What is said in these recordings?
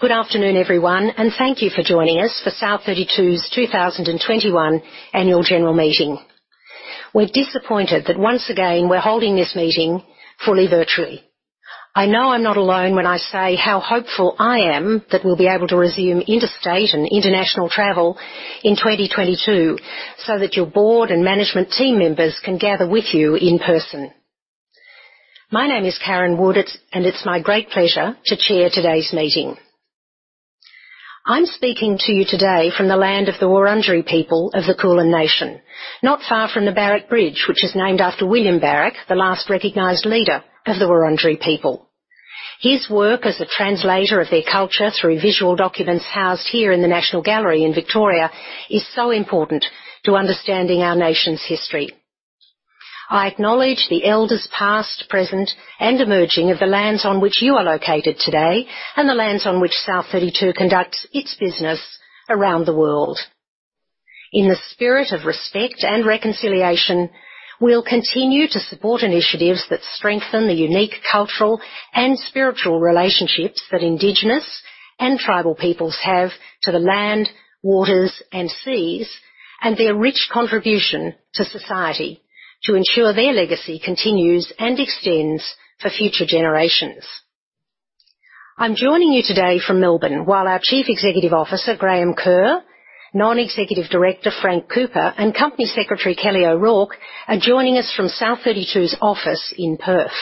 Good afternoon, everyone, and thank you for joining us for South32's 2021 Annual General Meeting. We're disappointed that once again we're holding this meeting fully virtually. I know I'm not alone when I say how hopeful I am that we'll be able to resume interstate and international travel in 2022 so that your Board and management team members can gather with you in person. My name is Karen Wood, and it's my great pleasure to chair today's meeting. I'm speaking to you today from the land of the Wurundjeri people of the Kulin Nation, not far from the Barak Bridge, which is named after William Barak, the last recognized leader of the Wurundjeri people. His work as a translator of their culture through visual documents housed here in the National Gallery of Victoria is so important to understanding our nation's history. I acknowledge the elders past, present, and emerging of the lands on which you are located today and the lands on which South32 conducts its business around the world. In the spirit of respect and reconciliation, we'll continue to support initiatives that strengthen the unique cultural and spiritual relationships that indigenous and tribal peoples have to the land, waters, and seas, and their rich contribution to society to ensure their legacy continues and extends for future generations. I'm joining you today from Melbourne while our Chief Executive Officer, Graham Kerr, Non-Executive Director, Frank Cooper, and Company Secretary, Kelly O'Rourke, are joining us from South32's office in Perth.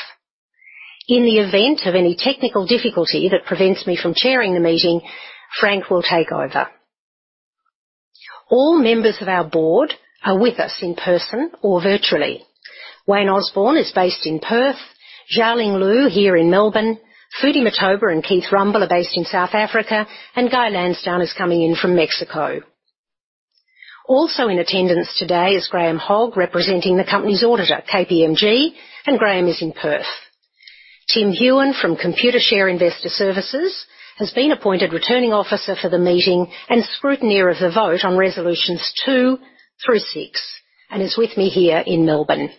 In the event of any technical difficulty that prevents me from chairing the meeting, Frank will take over. All members of our Board are with us in person or virtually. Wayne Osborn is based in Perth, Xiaoling Liu here in Melbourne, Ntombifuthi Mtoba and Keith Rumble are based in South Africa, and Guy Lansdown is coming in from Mexico. Also in attendance today is Graham Hogg, representing the company's auditor, KPMG, and Graham is in Perth. Tim Heughan from Computershare Investor Services has been appointed Returning Officer for the meeting and scrutineer of the vote on Resolutions 2 through 6 and is with me here in Melbourne.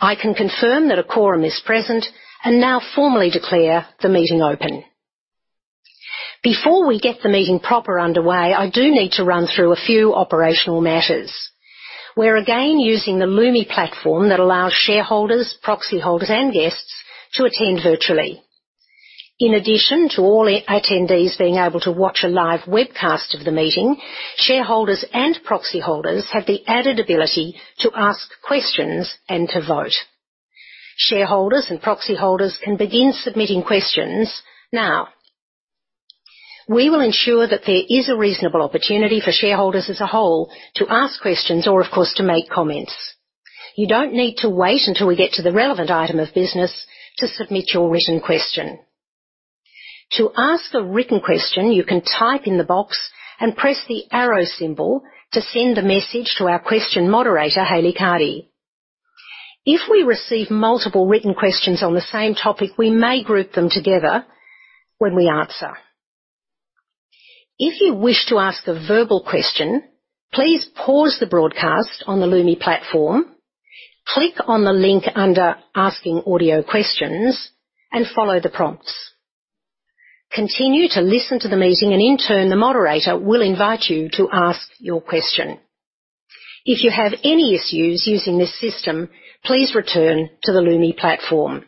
I can confirm that a quorum is present and now formally declare the meeting open. Before we get the meeting proper underway, I do need to run through a few operational matters. We're again using the Lumi platform that allows shareholders, proxy holders, and guests to attend virtually. In addition to all attendees being able to watch a live webcast of the meeting, shareholders and proxy holders have the added ability to ask questions and to vote. Shareholders and proxy holders can begin submitting questions now. We will ensure that there is a reasonable opportunity for shareholders as a whole to ask questions or, of course, to make comments. You don't need to wait until we get to the relevant item of business to submit your written question. To ask a written question, you can type in the box and press the arrow symbol to send the message to our question moderator, Hayley Cardy. If we receive multiple written questions on the same topic, we may group them together when we answer. If you wish to ask a verbal question, please pause the broadcast on the Lumi platform, click on the link under Asking Audio Questions, and follow the prompts. Continue to listen to the meeting and in turn, the moderator will invite you to ask your question. If you have any issues using this system, please return to the Lumi platform.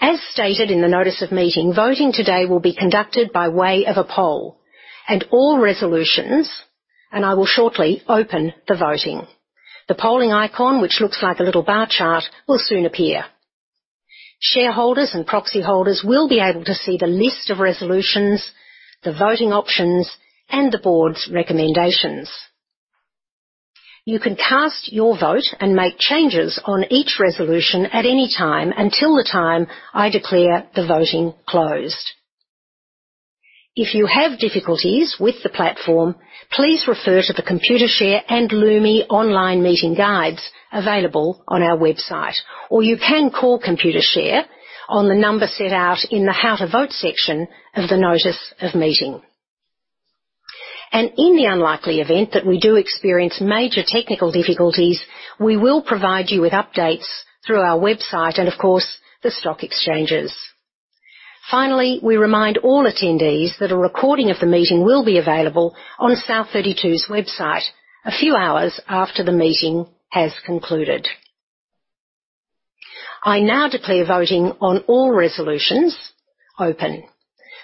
As stated in the notice of meeting, voting today will be conducted by way of a poll and all resolutions, and I will shortly open the voting. The polling icon, which looks like a little bar chart, will soon appear. Shareholders and proxy holders will be able to see the list of resolutions, the voting options, and the Board's recommendations. You can cast your vote and make changes on each resolution at any time until the time I declare the voting closed. If you have difficulties with the platform, please refer to the Computershare and Lumi online meeting guides available on our website. You can call Computershare on the number set out in the How to Vote section of the notice of meeting. In the unlikely event that we do experience major technical difficulties, we will provide you with updates through our website and, of course, the stock exchanges. Finally, we remind all attendees that a recording of the meeting will be available on South32's website a few hours after the meeting has concluded. I now declare voting on all resolutions open.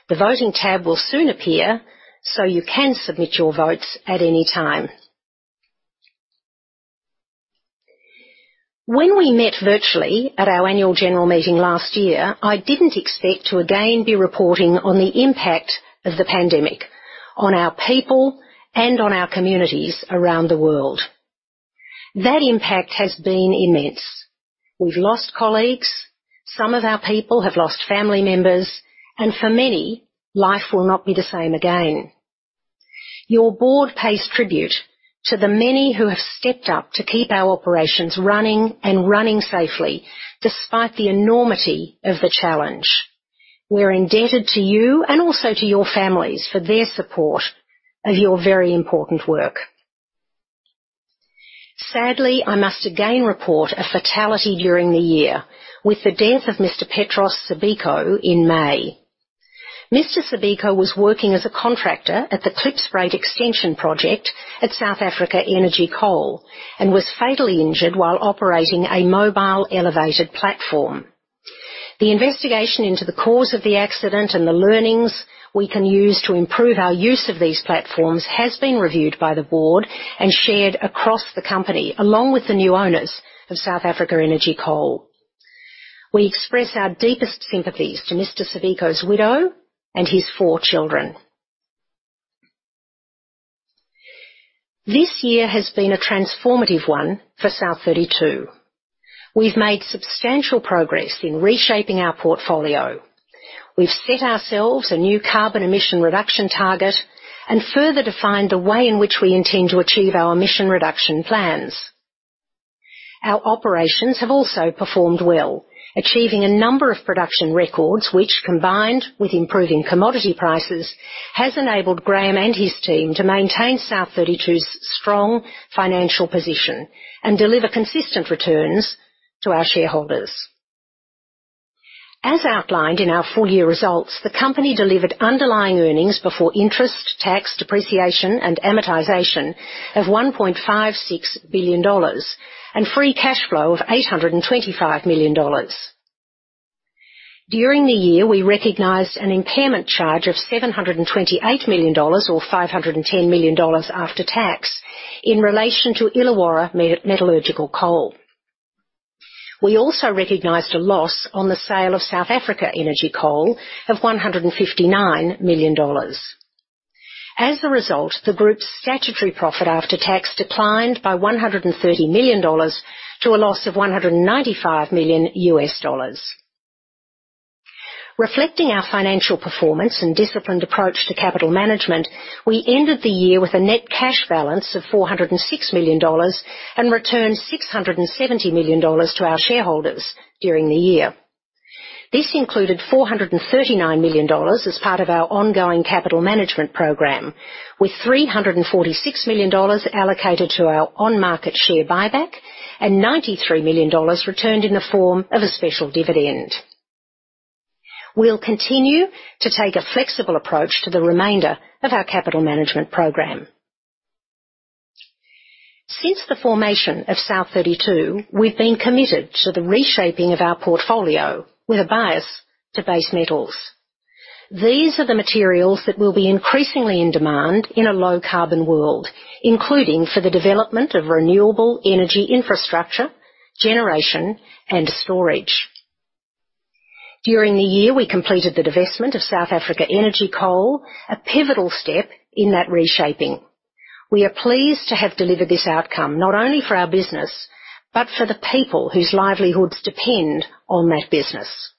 The Voting tab will soon appear so you can submit your votes at any time. When we met virtually at our Annual General Meeting last year, I didn't expect to again be reporting on the impact of the pandemic on our people and on our communities around the world. That impact has been immense. We've lost colleagues, some of our people have lost family members, and for many, life will not be the same again. Your Board pays tribute to the many who have stepped up to keep our operations running and running safely despite the enormity of the challenge. We're indebted to you and also to your families for their support of your very important work. Sadly, I must again report a fatality during the year with the death of Mr. Petros Sibeko in May. Mr. Sibeko was working as a contractor at the Klipspruit extension project at South Africa Energy Coal and was fatally injured while operating a mobile elevated platform. The investigation into the cause of the accident and the learnings we can use to improve our use of these platforms has been reviewed by the Board and shared across the company, along with the new owners of South Africa Energy Coal. We express our deepest sympathies to Mr. Sibeko's widow and his four children. This year has been a transformative one for South32. We've made substantial progress in reshaping our portfolio. We've set ourselves a new carbon emission reduction target and further defined the way in which we intend to achieve our emission reduction plans. Our operations have also performed well, achieving a number of production records which, combined with improving commodity prices, has enabled Graham and his team to maintain South32's strong financial position and deliver consistent returns to our shareholders. As outlined in our full year results, the company delivered underlying earnings before interest, tax, depreciation, and amortization of $1.56 billion and free cash flow of $825 million. During the year, we recognized an impairment charge of $728 million or $510 million after tax in relation to Illawarra Metallurgical Coal. We also recognized a loss on the sale of South Africa Energy Coal of $159 million. As a result, the group's statutory profit after tax declined by $130 million to a loss of $195 million. Reflecting our financial performance and disciplined approach to capital management, we ended the year with a net cash balance of $406 million and returned $670 million to our shareholders during the year. This included $439 million as part of our ongoing capital management program, with $346 million allocated to our on-market share buyback and $93 million returned in the form of a special dividend. We'll continue to take a flexible approach to the remainder of our capital management program. Since the formation of South32, we've been committed to the reshaping of our portfolio with a bias to base metals. These are the materials that will be increasingly in demand in a low carbon world, including for the development of renewable energy infrastructure, generation, and storage. During the year, we completed the divestment of South Africa Energy Coal, a pivotal step in that reshaping. We are pleased to have delivered this outcome not only for our business, but for the people whose livelihoods depend on that business.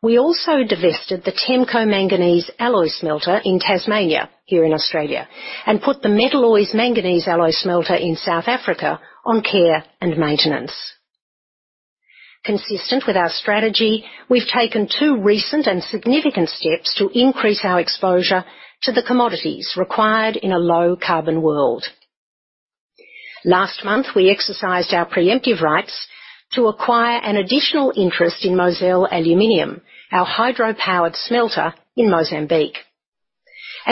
We also divested the TEMCO manganese alloy smelter in Tasmania here in Australia and put the Metalloys manganese alloy smelter in South Africa on care and maintenance. Consistent with our strategy, we've taken two recent and significant steps to increase our exposure to the commodities required in a low carbon world. Last month, we exercised our preemptive rights to acquire an additional interest in Mozal Aluminium, our hydro-powered smelter in Mozambique.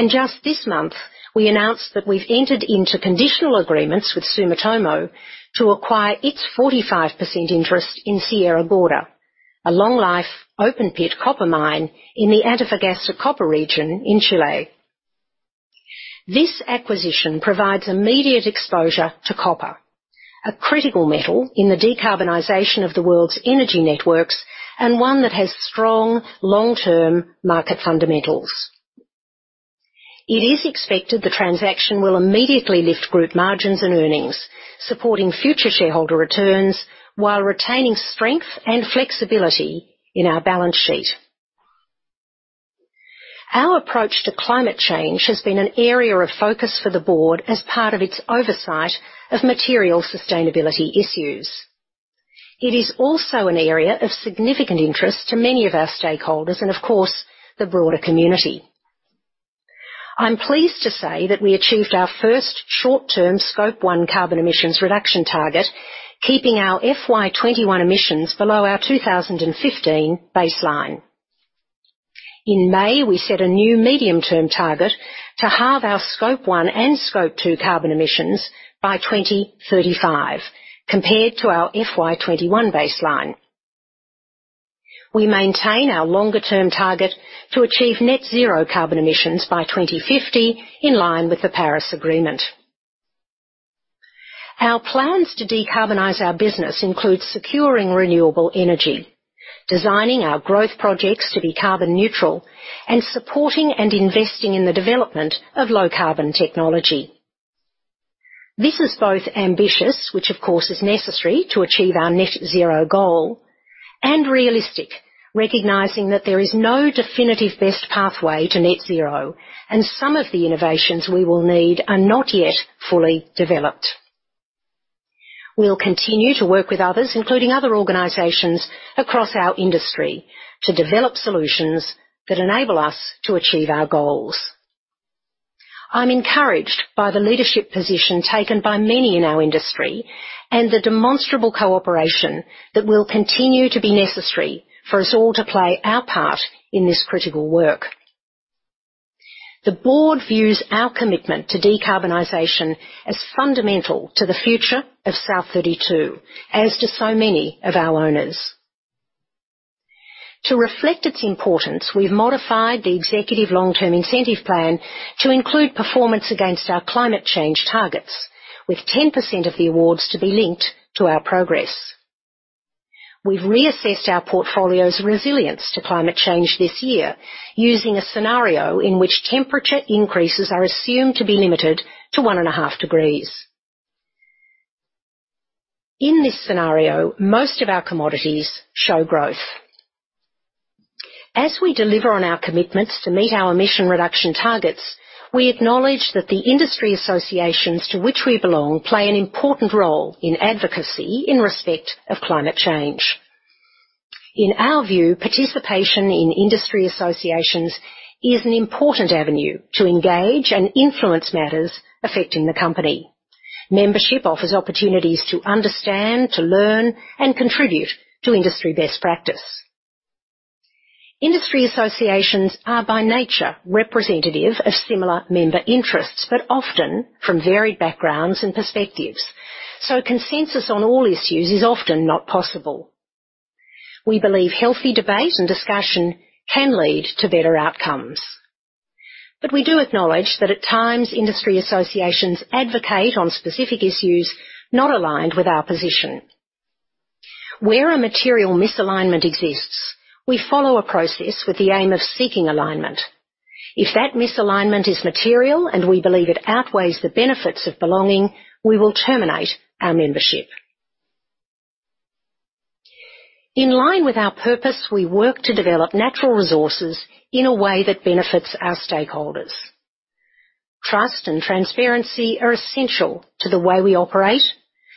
Just this month, we announced that we've entered into conditional agreements with Sumitomo to acquire its 45% interest in Sierra Gorda, a long life open pit copper mine in the Antofagasta copper region in Chile. This acquisition provides immediate exposure to copper, a critical metal in the decarbonization of the world's energy networks, and one that has strong long-term market fundamentals. It is expected the transaction will immediately lift group margins and earnings, supporting future shareholder returns while retaining strength and flexibility in our balance sheet. Our approach to climate change has been an area of focus for the Board as part of its oversight of material sustainability issues. It is also an area of significant interest to many of our stakeholders and, of course, the broader community. I'm pleased to say that we achieved our first short-term Scope 1 carbon emissions reduction target, keeping our FY 2021 emissions below our 2015 baseline. In May, we set a new medium-term target to halve our Scope 1 and Scope 2 carbon emissions by 2035 compared to our FY 2021 baseline. We maintain our longer-term target to achieve net zero carbon emissions by 2050 in line with the Paris Agreement. Our plans to decarbonize our business includes securing renewable energy, designing our growth projects to be carbon neutral, and supporting and investing in the development of low carbon technology. This is both ambitious, which of course is necessary to achieve our net zero goal, and realistic, recognizing that there is no definitive best pathway to net zero and some of the innovations we will need are not yet fully developed. We'll continue to work with others, including other organizations across our industry, to develop solutions that enable us to achieve our goals. I'm encouraged by the leadership position taken by many in our industry and the demonstrable cooperation that will continue to be necessary for us all to play our part in this critical work. The Board views our commitment to decarbonization as fundamental to the future of South32, as do so many of our owners. To reflect its importance, we've modified the executive long-term incentive plan to include performance against our climate change targets, with 10% of the awards to be linked to our progress. We've reassessed our portfolio's resilience to climate change this year, using a scenario in which temperature increases are assumed to be limited to one and a half degrees. In this scenario, most of our commodities show growth. As we deliver on our commitments to meet our emission reduction targets, we acknowledge that the industry associations to which we belong play an important role in advocacy in respect of climate change. In our view, participation in industry associations is an important avenue to engage and influence matters affecting the company. Membership offers opportunities to understand, to learn, and contribute to industry best practice. Industry associations are by nature representative of similar member interests, but often from varied backgrounds and perspectives. Consensus on all issues is often not possible. We believe healthy debate and discussion can lead to better outcomes. We do acknowledge that at times, industry associations advocate on specific issues not aligned with our position. Where a material misalignment exists, we follow a process with the aim of seeking alignment. If that misalignment is material and we believe it outweighs the benefits of belonging, we will terminate our membership. In line with our purpose, we work to develop natural resources in a way that benefits our stakeholders. Trust and transparency are essential to the way we operate,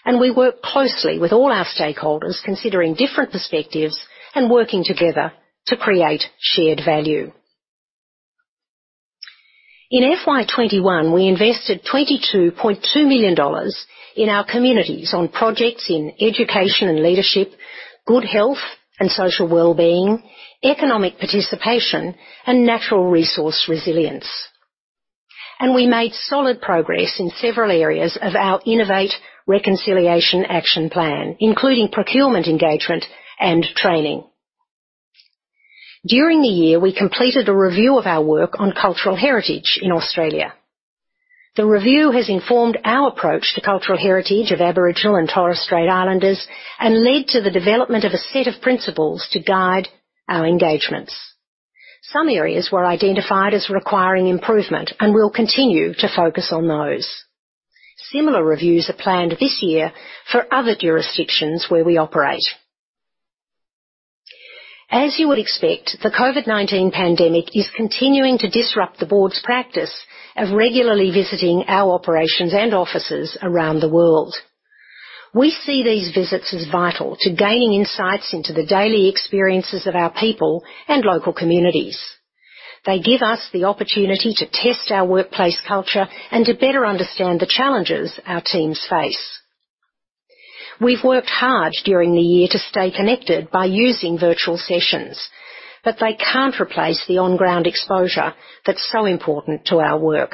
and we work closely with all our stakeholders, considering different perspectives and working together to create shared value. In FY 2021, we invested $22.2 million in our communities on projects in education and leadership, good health and social well-being, economic participation, and natural resource resilience. We made solid progress in several areas of our Innovate Reconciliation Action Plan, including procurement engagement and training. During the year, we completed a review of our work on cultural heritage in Australia. The review has informed our approach to cultural heritage of Aboriginal and Torres Strait Islanders and led to the development of a set of principles to guide our engagements. Some areas were identified as requiring improvement, and we'll continue to focus on those. Similar reviews are planned this year for other jurisdictions where we operate. As you would expect, the COVID-19 pandemic is continuing to disrupt the Board's practice of regularly visiting our operations and offices around the world. We see these visits as vital to gaining insights into the daily experiences of our people and local communities. They give us the opportunity to test our workplace culture and to better understand the challenges our teams face. We've worked hard during the year to stay connected by using virtual sessions, but they can't replace the on-ground exposure that's so important to our work.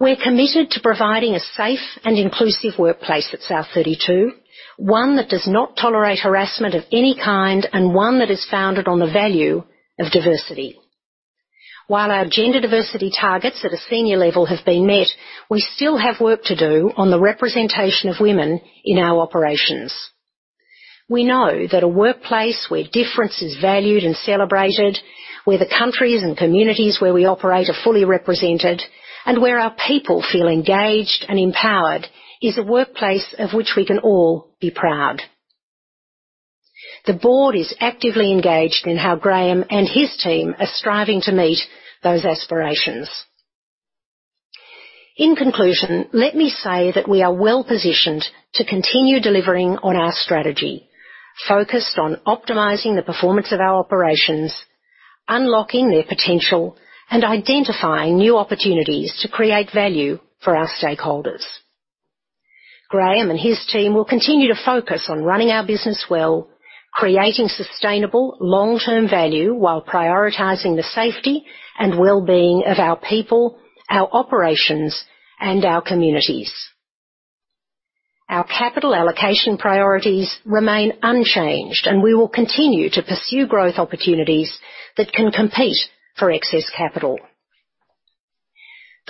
We're committed to providing a safe and inclusive workplace at South32, one that does not tolerate harassment of any kind and one that is founded on the value of diversity. While our gender diversity targets at a senior level have been met, we still have work to do on the representation of women in our operations. We know that a workplace where difference is valued and celebrated, where the countries and communities where we operate are fully represented, and where our people feel engaged and empowered, is a workplace of which we can all be proud. The Board is actively engaged in how Graham and his team are striving to meet those aspirations. In conclusion, let me say that we are well-positioned to continue delivering on our strategy, focused on optimizing the performance of our operations, unlocking their potential, and identifying new opportunities to create value for our stakeholders. Graham and his team will continue to focus on running our business well, creating sustainable long-term value while prioritizing the safety and well-being of our people, our operations, and our communities. Our capital allocation priorities remain unchanged, and we will continue to pursue growth opportunities that can compete for excess capital.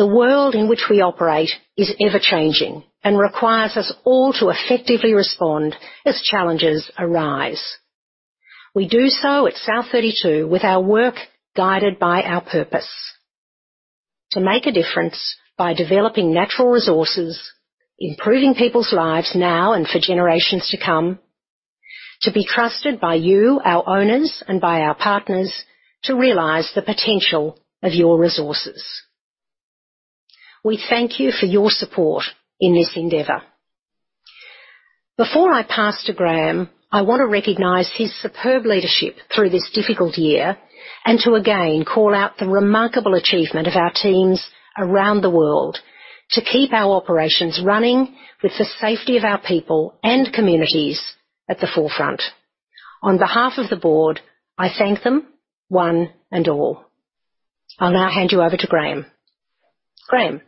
The world in which we operate is ever-changing and requires us all to effectively respond as challenges arise. We do so at South32 with our work guided by our purpose: to make a difference by developing natural resources, improving people's lives now and for generations to come. To be trusted by you, our owners, and by our partners to realize the potential of your resources. We thank you for your support in this endeavor. Before I pass to Graham, I want to recognize his superb leadership through this difficult year, and to again call out the remarkable achievement of our teams around the world to keep our operations running with the safety of our people and communities at the forefront. On behalf of the Board, I thank them, one and all. I'll now hand you over to Graham. Graham.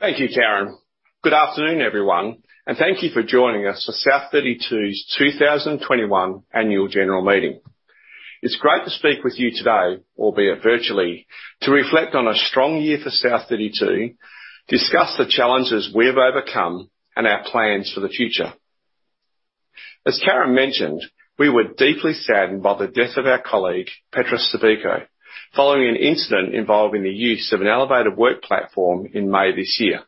Thank you, Karen. Good afternoon, everyone, and thank you for joining us for South32's 2021 Annual General Meeting. It's great to speak with you today, albeit virtually, to reflect on a strong year for South32, discuss the challenges we have overcome, and our plans for the future. As Karen mentioned, we were deeply saddened by the death of our colleague, Petros Sibeko, following an incident involving the use of an elevated work platform in May this year.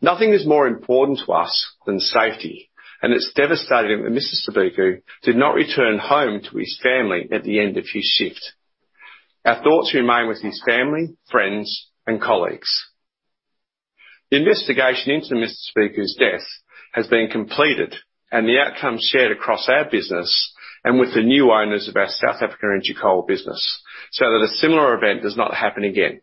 Nothing is more important to us than safety, and it's devastating that Mr. Sibeko did not return home to his family at the end of his shift. Our thoughts remain with his family, friends, and colleagues. The investigation into Mr. Sibeko's death has been completed, and the outcome shared across our business and with the new owners of our South Africa Energy Coal business, so that a similar event does not happen again.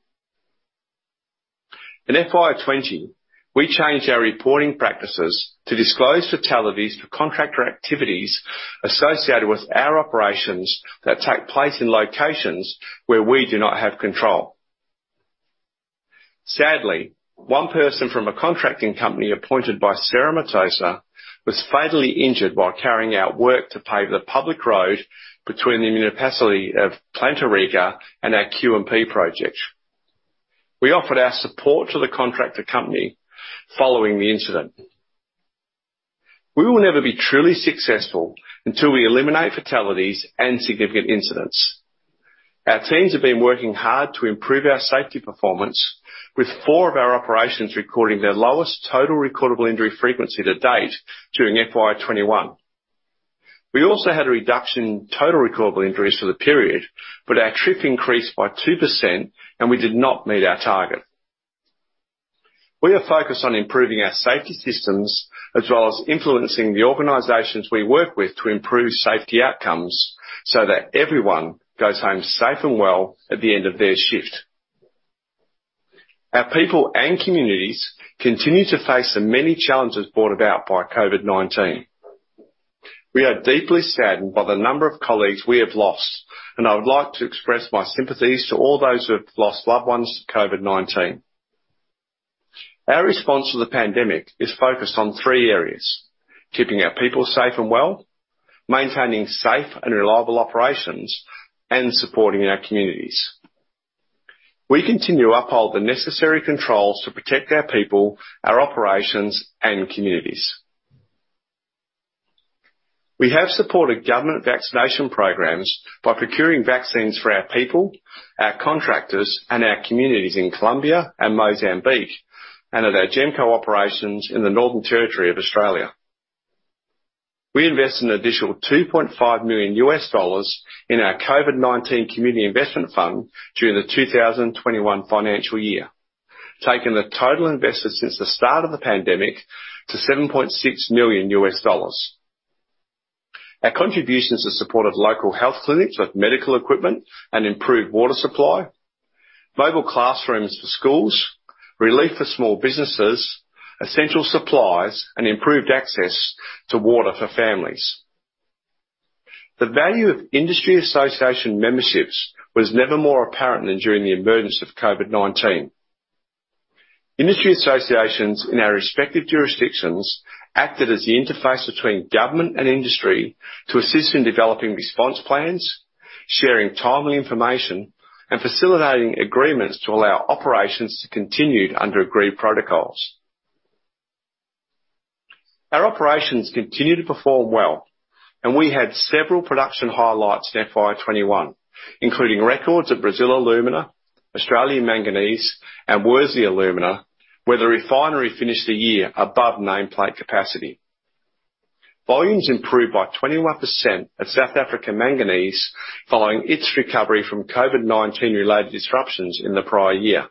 In FY 2020, we changed our reporting practices to disclose fatalities in contractor activities associated with our operations that take place in locations where we do not have control. Sadly, one person from a contracting company appointed by Cerro Matoso was fatally injured while carrying out work to pave the public road between the municipality of Planeta Rica and our QMP project. We offered our support to the contractor company following the incident. We will never be truly successful until we eliminate fatalities and significant incidents. Our teams have been working hard to improve our safety performance, with four of our operations recording their lowest total recordable injury frequency to date during FY 2021. We also had a reduction in total recordable injuries for the period, but our TRIF increased by 2%, and we did not meet our target. We are focused on improving our safety systems as well as influencing the organizations we work with to improve safety outcomes so that everyone goes home safe and well at the end of their shift. Our people and communities continue to face the many challenges brought about by COVID-19. We are deeply saddened by the number of colleagues we have lost, and I would like to express my sympathies to all those who have lost loved ones to COVID-19. Our response to the pandemic is focused on three areas, keeping our people safe and well, maintaining safe and reliable operations, and supporting our communities. We continue to uphold the necessary controls to protect our people, our operations, and communities. We have supported government vaccination programs by procuring vaccines for our people, our contractors, and our communities in Colombia and Mozambique, and at our GEMCO operations in the Northern Territory of Australia. We invested an additional $2.5 million in our COVID-19 community investment fund during the 2021 financial year, taking the total invested since the start of the pandemic to $7.6 million. Our contributions have supported local health clinics with medical equipment and improved water supply, mobile classrooms for schools, relief for small businesses, essential supplies, and improved access to water for families. The value of industry association memberships was never more apparent than during the emergence of COVID-19. Industry associations in our respective jurisdictions acted as the interface between government and industry to assist in developing response plans, sharing timely information, and facilitating agreements to allow operations to continue under agreed protocols. Our operations continue to perform well, and we had several production highlights in FY 2021, including records at Brazil Alumina, Australia Manganese, and Worsley Alumina, where the refinery finished the year above nameplate capacity. Volumes improved by 21% at South Africa Manganese following its recovery from COVID-19-related disruptions in the prior year.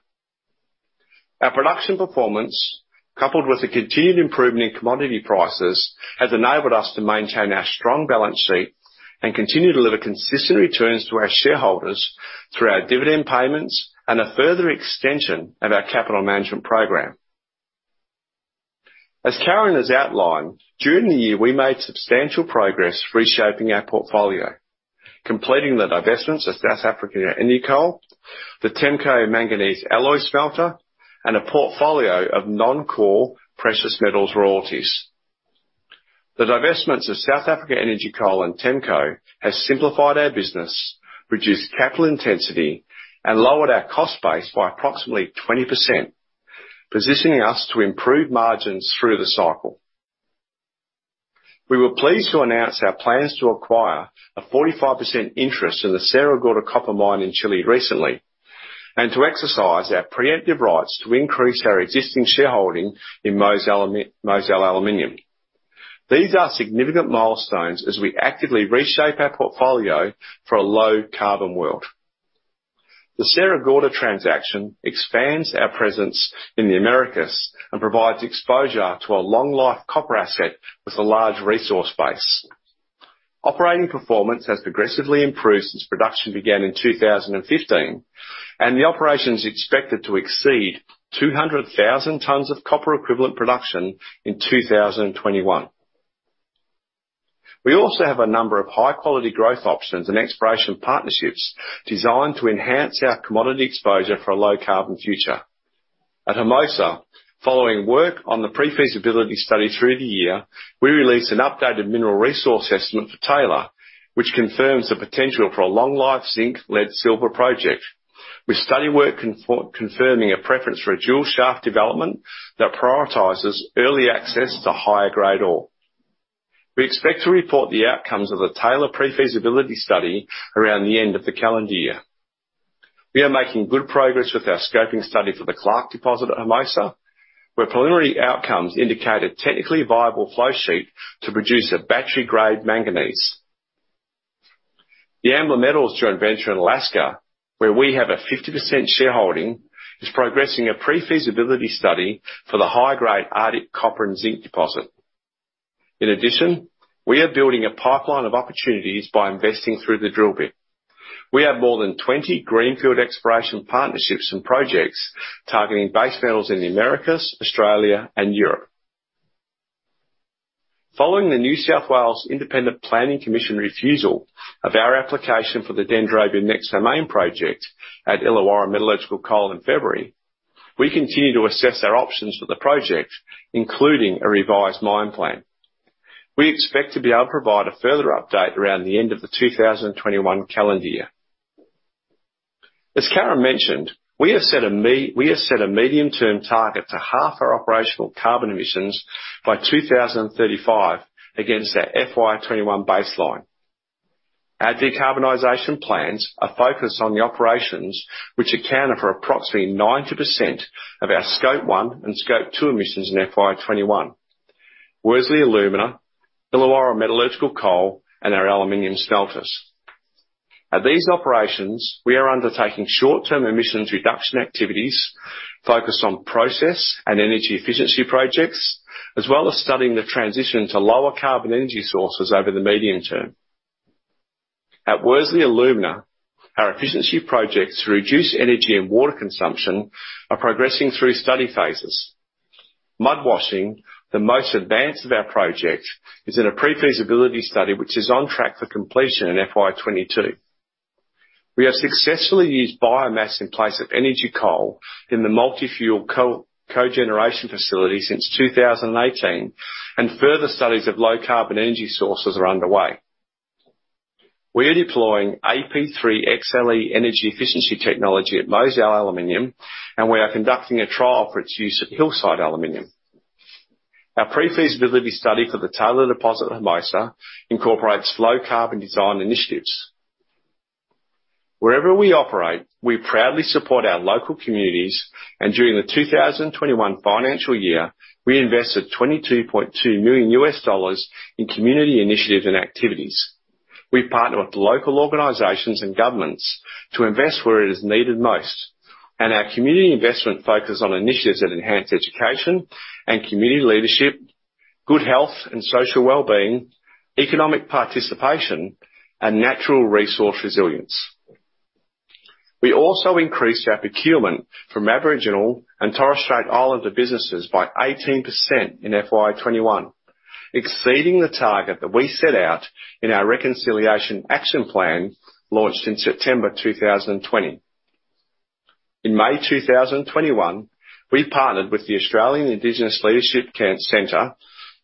Our production performance, coupled with a continued improvement in commodity prices, has enabled us to maintain our strong balance sheet and continue to deliver consistent returns to our shareholders through our dividend payments and a further extension of our capital management program. As Karen has outlined, during the year, we made substantial progress reshaping our portfolio, completing the divestments of South Africa Energy Coal, the TEMCO Manganese Alloy Smelter, and a portfolio of non-core precious metals royalties. The divestments of South Africa Energy Coal and TEMCO has simplified our business, reduced capital intensity, and lowered our cost base by approximately 20%, positioning us to improve margins through the cycle. We were pleased to announce our plans to acquire a 45% interest in the Sierra Gorda copper mine in Chile recently, and to exercise our preemptive rights to increase our existing shareholding in Mozal Aluminium. These are significant milestones as we actively reshape our portfolio for a low-carbon world. The Sierra Gorda transaction expands our presence in the Americas and provides exposure to a long-life copper asset with a large resource base. Operating performance has progressively improved since production began in 2015, and the operation is expected to exceed 200,000 tons of copper equivalent production in 2021. We also have a number of high-quality growth options and exploration partnerships designed to enhance our commodity exposure for a low-carbon future. At Hermosa, following work on the pre-feasibility study through the year, we released an updated mineral resource estimate for Taylor, which confirms the potential for a long life zinc-lead-silver project, with study work confirming a preference for a dual shaft development that prioritizes early access to higher-grade ore. We expect to report the outcomes of the Taylor pre-feasibility study around the end of the calendar year. We are making good progress with our scoping study for the Clark deposit at Hermosa, where preliminary outcomes indicate a technically viable flow sheet to produce a battery-grade manganese. The Ambler Metals joint venture in Alaska, where we have a 50% shareholding, is progressing a pre-feasibility study for the high-grade Arctic copper and zinc deposit. In addition, we are building a pipeline of opportunities by investing through the drill bit. We have more than 20 greenfield exploration partnerships and projects targeting base metals in the Americas, Australia, and Europe. Following the New South Wales Independent Planning Commission refusal of our application for the Dendrobium Next Domain project at Illawarra Metallurgical Coal in February, we continue to assess our options for the project, including a revised mine plan. We expect to be able to provide a further update around the end of the 2021 calendar year. As Karen mentioned, we have set a medium-term target to halve our operational carbon emissions by 2035 against our FY 2021 baseline. Our decarbonization plans are focused on Worsley Alumina, Illawarra Metallurgical Coal, and our aluminum smelters, which accounted for approximately 90% of our Scope 1 and Scope 2 emissions in FY 2021. At these operations, we are undertaking short-term emissions reduction activities focused on process and energy efficiency projects, as well as studying the transition to lower carbon energy sources over the medium term. At Worsley Alumina, our efficiency projects to reduce energy and water consumption are progressing through study phases. Mudwashing, the most advanced of our projects, is in a pre-feasibility study, which is on track for completion in FY 2022. We have successfully used biomass in place of energy coal in the multi-fuel co-cogeneration facility since 2018, and further studies of low carbon energy sources are underway. We are deploying AP3XLE energy efficiency technology at Mozal Aluminium, and we are conducting a trial for its use at Hillside Aluminium. Our pre-feasibility study for the Taylor deposit at Hermosa incorporates low carbon design initiatives. Wherever we operate, we proudly support our local communities, and during the 2021 financial year, we invested $22.2 million in community initiatives and activities. We partner with local organizations and governments to invest where it is needed most, and our community investment focus on initiatives that enhance education and community leadership, good health and social well-being, economic participation, and natural resource resilience. We also increased our procurement from Aboriginal and Torres Strait Islander businesses by 18% in FY 2021, exceeding the target that we set out in our Reconciliation Action Plan launched in September 2020. In May 2021, we partnered with the Australian Indigenous Leadership Centre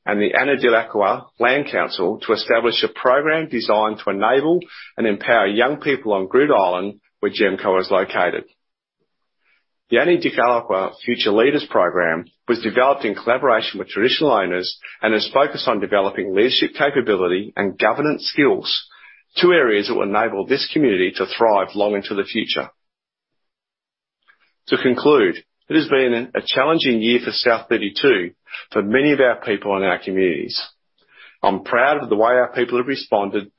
and the Anindilyakwa Land Council to establish a program designed to enable and empower young people on Groote Eylandt, where GEMCO is located. The Anindilyakwa Future Leaders Program was developed in collaboration with traditional owners and is focused on developing leadership capability and governance skills, two areas that will enable this community to thrive long into the future. To conclude, it has been a challenging year for South32 for many of our people and our communities. I'm proud of the way our people have responded,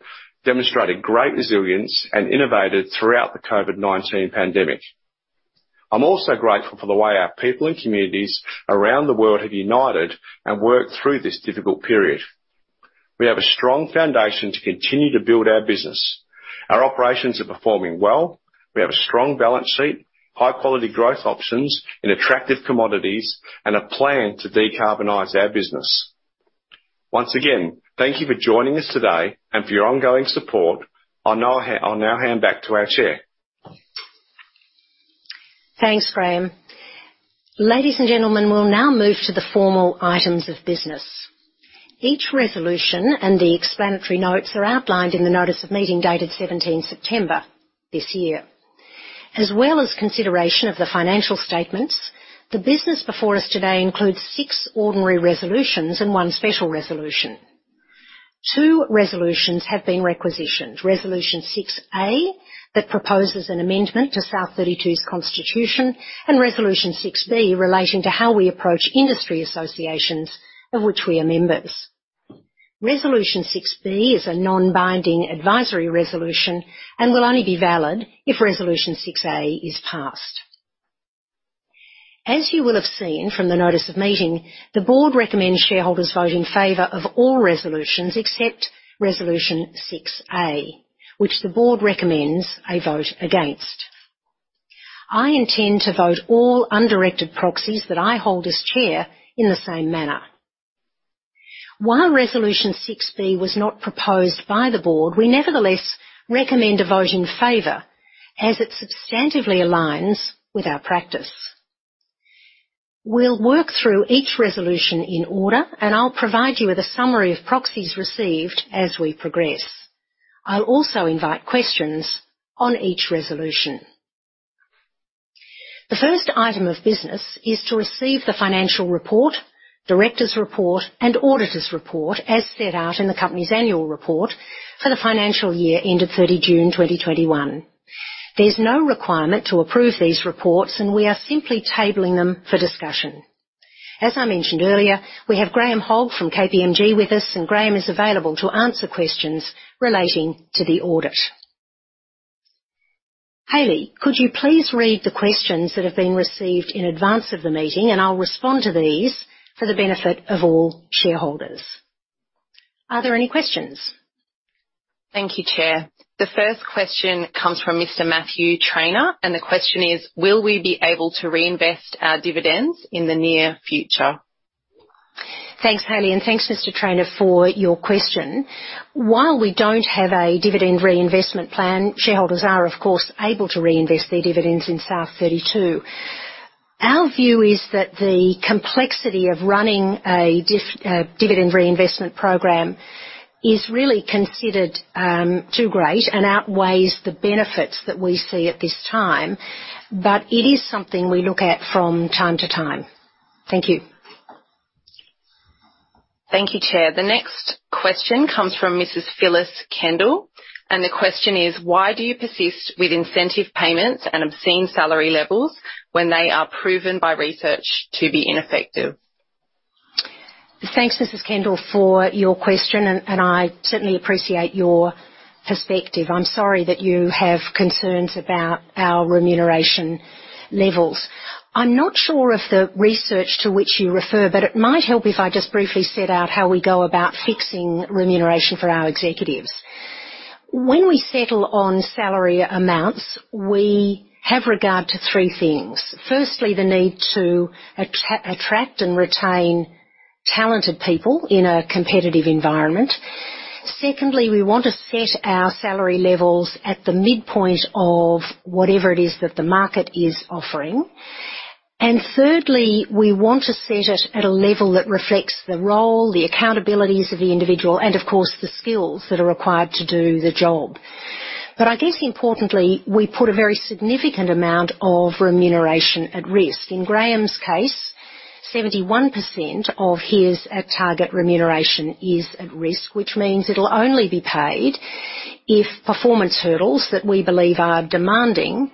demonstrated great resilience, and innovated throughout the COVID-19 pandemic. I'm also grateful for the way our people and communities around the world have united and worked through this difficult period. We have a strong foundation to continue to build our business. Our operations are performing well. We have a strong balance sheet, high-quality growth options in attractive commodities, and a plan to decarbonize our business. Once again, thank you for joining us today and for your ongoing support. I'll now hand back to our Chair. Thanks, Graham. Ladies and gentlemen, we'll now move to the formal items of business. Each resolution and the explanatory notes are outlined in the notice of meeting dated 17 September this year. As well as consideration of the financial statements, the business before us today includes six ordinary resolutions and one special resolution. Two resolutions have been requisitioned. Resolution 6(a), that proposes an amendment to South32's constitution, and Resolution 6(b), relating to how we approach industry associations of which we are members. Resolution 6(b) is a non-binding advisory resolution and will only be valid if Resolution 6(a) is passed. As you will have seen from the notice of meeting, the Board recommends shareholders vote in favor of all resolutions except Resolution 6(a), which the Board recommends a vote against. I intend to vote all undirected proxies that I hold as Chair in the same manner. While Resolution 6(b) was not proposed by the Board, we nevertheless recommend a vote in favor as it substantively aligns with our practice. We'll work through each resolution in order, and I'll provide you with a summary of proxies received as we progress. I'll also invite questions on each resolution. The first item of business is to receive the financial report, directors' report, and auditor's report, as set out in the company's annual report for the financial year ended 30 June 2021. There's no requirement to approve these reports, and we are simply tabling them for discussion. As I mentioned earlier, we have Graham Hogg from KPMG with us, and Graham is available to answer questions relating to the audit. Hayley, could you please read the questions that have been received in advance of the meeting, and I'll respond to these for the benefit of all shareholders. Are there any questions? Thank you, Chair. The first question comes from Mr. Matthew Trainer, and the question is: Will we be able to reinvest our dividends in the near future? Thanks, Hayley, and thanks, Mr. Trainer, for your question. While we don't have a dividend reinvestment plan, shareholders are, of course, able to reinvest their dividends in South32. Our view is that the complexity of running a dividend reinvestment program is really considered too great and outweighs the benefits that we see at this time. It is something we look at from time to time. Thank you. Thank you, Chair. The next question comes from Mrs. Phyllis Kendall, and the question is: Why do you persist with incentive payments and obscene salary levels when they are proven by research to be ineffective? Thanks, Mrs. Kendall, for your question, and I certainly appreciate your perspective. I'm sorry that you have concerns about our remuneration levels. I'm not sure of the research to which you refer, but it might help if I just briefly set out how we go about fixing remuneration for our executives. When we settle on salary amounts, we have regard to three things. Firstly, the need to attract and retain talented people in a competitive environment. Secondly, we want to set our salary levels at the midpoint of whatever it is that the market is offering. And thirdly, we want to set it at a level that reflects the role, the accountabilities of the individual and of course, the skills that are required to do the job. I guess importantly, we put a very significant amount of remuneration at risk. In Graham's case, 71% of his target remuneration is at risk, which means it'll only be paid if performance hurdles that we believe are demanding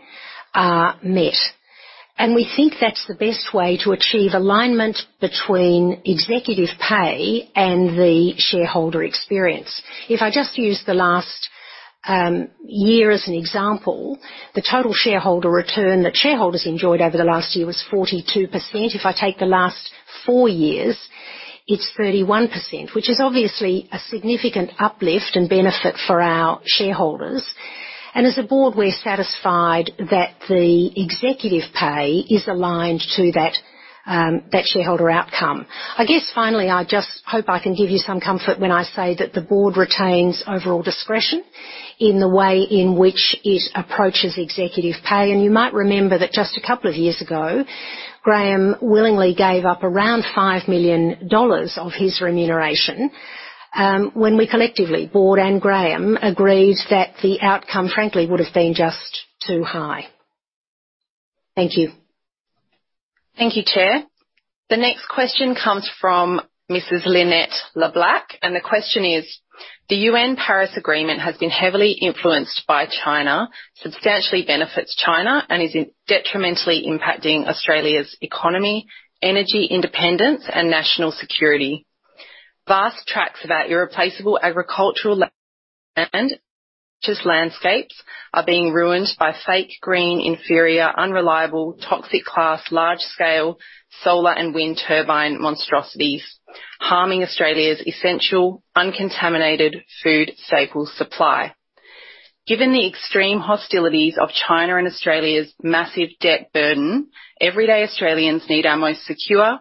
are met. We think that's the best way to achieve alignment between executive pay and the shareholder experience. If I just use the last year as an example, the total shareholder return that shareholders enjoyed over the last year was 42%. If I take the last 4 years, it's 31%, which is obviously a significant uplift and benefit for our shareholders. As a Board, we're satisfied that the executive pay is aligned to that shareholder outcome. I guess finally, I just hope I can give you some comfort when I say that the Board retains overall discretion in the way in which it approaches executive pay. You might remember that just a couple of years ago, Graham willingly gave up around $5 million of his remuneration, when we collectively, Board and Graham, agreed that the outcome, frankly, would have been just too high. Thank you. Thank you, Chair. The next question comes from Mrs. Lynette LaBlack, and the question is: The Paris Agreement has been heavily influenced by China, substantially benefits China, and is detrimentally impacting Australia's economy, energy independence and national security. Vast tracts of our irreplaceable agricultural land and precious landscapes are being ruined by fake green, inferior, unreliable, toxic class, large-scale solar and wind turbine monstrosities, harming Australia's essential uncontaminated food staples supply. Given the extreme hostilities of China and Australia's massive debt burden, everyday Australians need our most secure,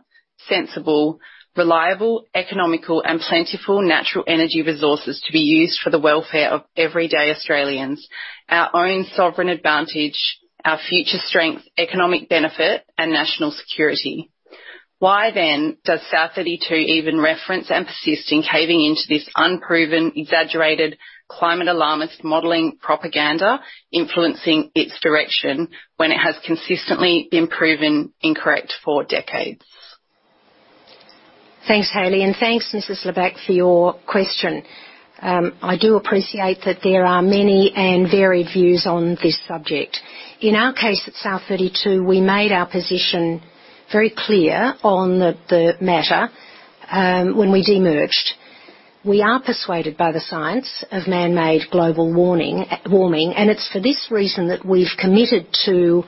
sensible, reliable, economical and plentiful natural energy resources to be used for the welfare of everyday Australians, our own sovereign advantage, our future strength, economic benefit and national security. Why then does South32 even reference and persist in caving into this unproven, exaggerated climate alarmist modeling propaganda influencing its direction when it has consistently been proven incorrect for decades? Thanks, Hayley, and thanks, Mrs. LaBlack, for your question. I do appreciate that there are many and varied views on this subject. In our case, at South32, we made our position very clear on the matter when we de-merged. We are persuaded by the science of man-made global warming, and it's for this reason that we've committed to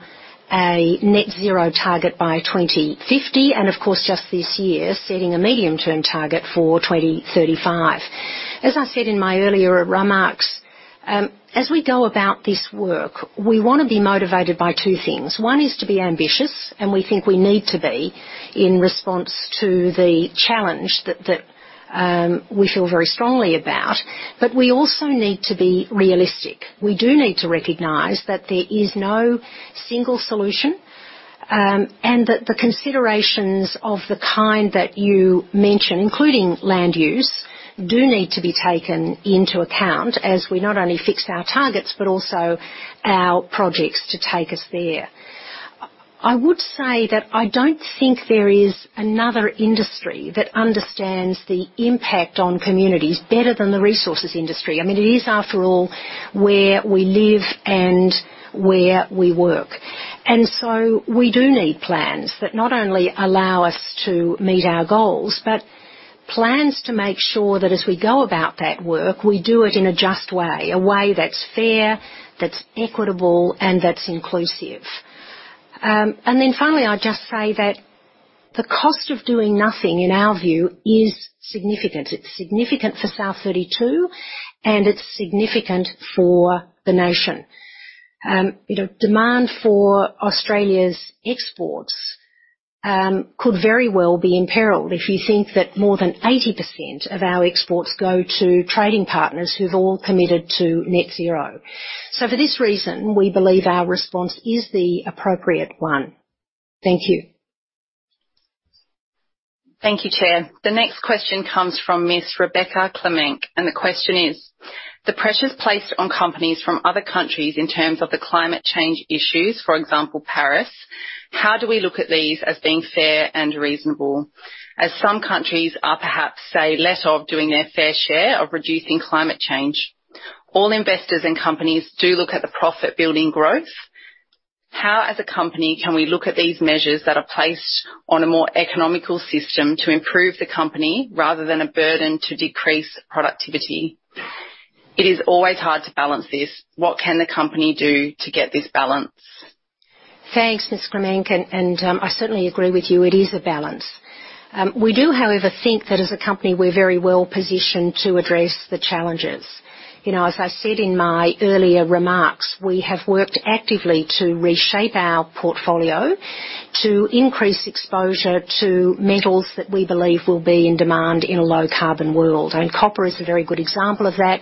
a net zero target by 2050 and, of course, just this year, setting a medium-term target for 2035. As I said in my earlier remarks, as we go about this work, we wanna be motivated by two things. One is to be ambitious, and we think we need to be in response to the challenge that we feel very strongly about. We also need to be realistic. We do need to recognize that there is no single solution, and that the considerations of the kind that you mentioned, including land use, do need to be taken into account as we not only fix our targets but also our projects to take us there. I would say that I don't think there is another industry that understands the impact on communities better than the resources industry. I mean, it is, after all, where we live and where we work. We do need plans that not only allow us to meet our goals, but plans to make sure that as we go about that work, we do it in a just way, a way that's fair, that's equitable, and that's inclusive. Finally, I'd just say that the cost of doing nothing, in our view, is significant. It's significant for South32, and it's significant for the nation. You know, demand for Australia's exports could very well be in peril if you think that more than 80% of our exports go to trading partners who've all committed to net zero. For this reason, we believe our response is the appropriate one. Thank you. Thank you, Chair. The next question comes from Miss Rebecca Clemenc, and the question is: The pressures placed on companies from other countries in terms of the climate change issues, for example, Paris, how do we look at these as being fair and reasonable, as some countries are perhaps, say, let off doing their fair share of reducing climate change? All investors and companies do look at the profit-building growth. How, as a company, can we look at these measures that are placed on a more economical system to improve the company rather than a burden to decrease productivity? It is always hard to balance this. What can the company do to get this balance? Thanks, Miss Clemenc, and I certainly agree with you. It is a balance. We do, however, think that as a company, we're very well-positioned to address the challenges. You know, as I said in my earlier remarks, we have worked actively to reshape our portfolio to increase exposure to metals that we believe will be in demand in a low-carbon world, and copper is a very good example of that.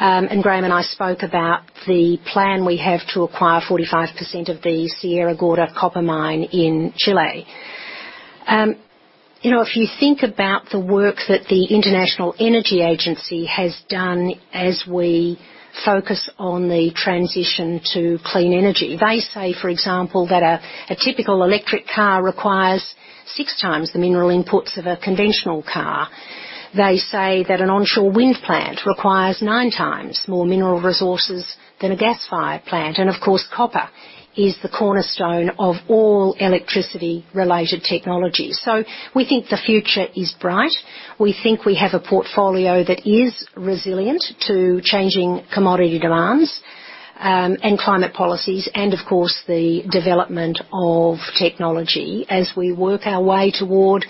And Graham and I spoke about the plan we have to acquire 45% of the Sierra Gorda copper mine in Chile. You know, if you think about the work that the International Energy Agency has done as we focus on the transition to clean energy. They say, for example, that a typical electric car requires 6x the mineral inputs of a conventional car. They say that an onshore wind plant requires 9x more mineral resources than a gas-fired plant. Of course, copper is the cornerstone of all electricity-related technology. We think the future is bright. We think we have a portfolio that is resilient to changing commodity demands, and climate policies and, of course, the development of technology as we work our way toward the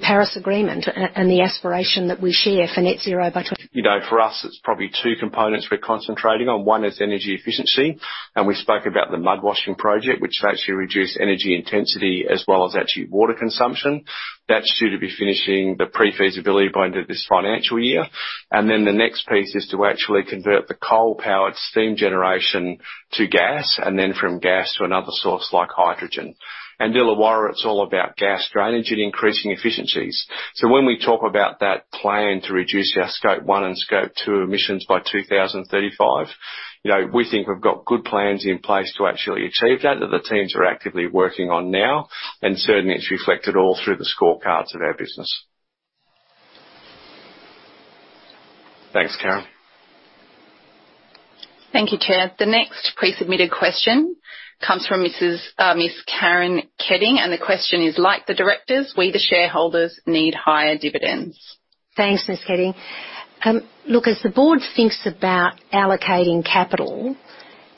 Paris Agreement and the aspiration that we share for net zero by twen- You know, for us, it's probably two components we're concentrating on. One is energy efficiency, and we spoke about the mudwashing project, which actually reduced energy intensity as well as actually water consumption. That's due to be finishing the pre-feasibility by end of this financial year. The next piece is to actually convert the coal-powered steam generation to gas and then from gas to another source like hydrogen. Illawarra, it's all about gas drainage and increasing efficiencies. When we talk about that plan to reduce our Scope 1 and Scope 2 emissions by 2035, you know, we think we've got good plans in place to actually achieve that the teams are actively working on now. Certainly, it's reflected all through the scorecards of our business. Thanks, Karen. Thank you, Chair. The next pre-submitted question comes from Miss Karen Kedding. The question is: Like the directors, we, the shareholders, need higher dividends. Thanks, Miss Kedding. Look, as the Board thinks about allocating capital,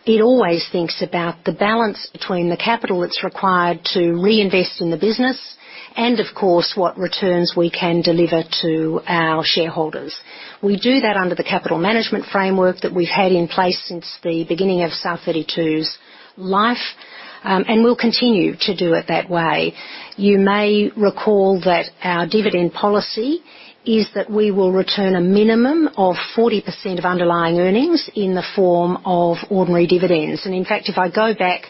it always thinks about the balance between the capital that's required to reinvest in the business and, of course, what returns we can deliver to our shareholders. We do that under the capital management framework that we've had in place since the beginning of South32's life, and we'll continue to do it that way. You may recall that our dividend policy is that we will return a minimum of 40% of underlying earnings in the form of ordinary dividends. In fact, if I go back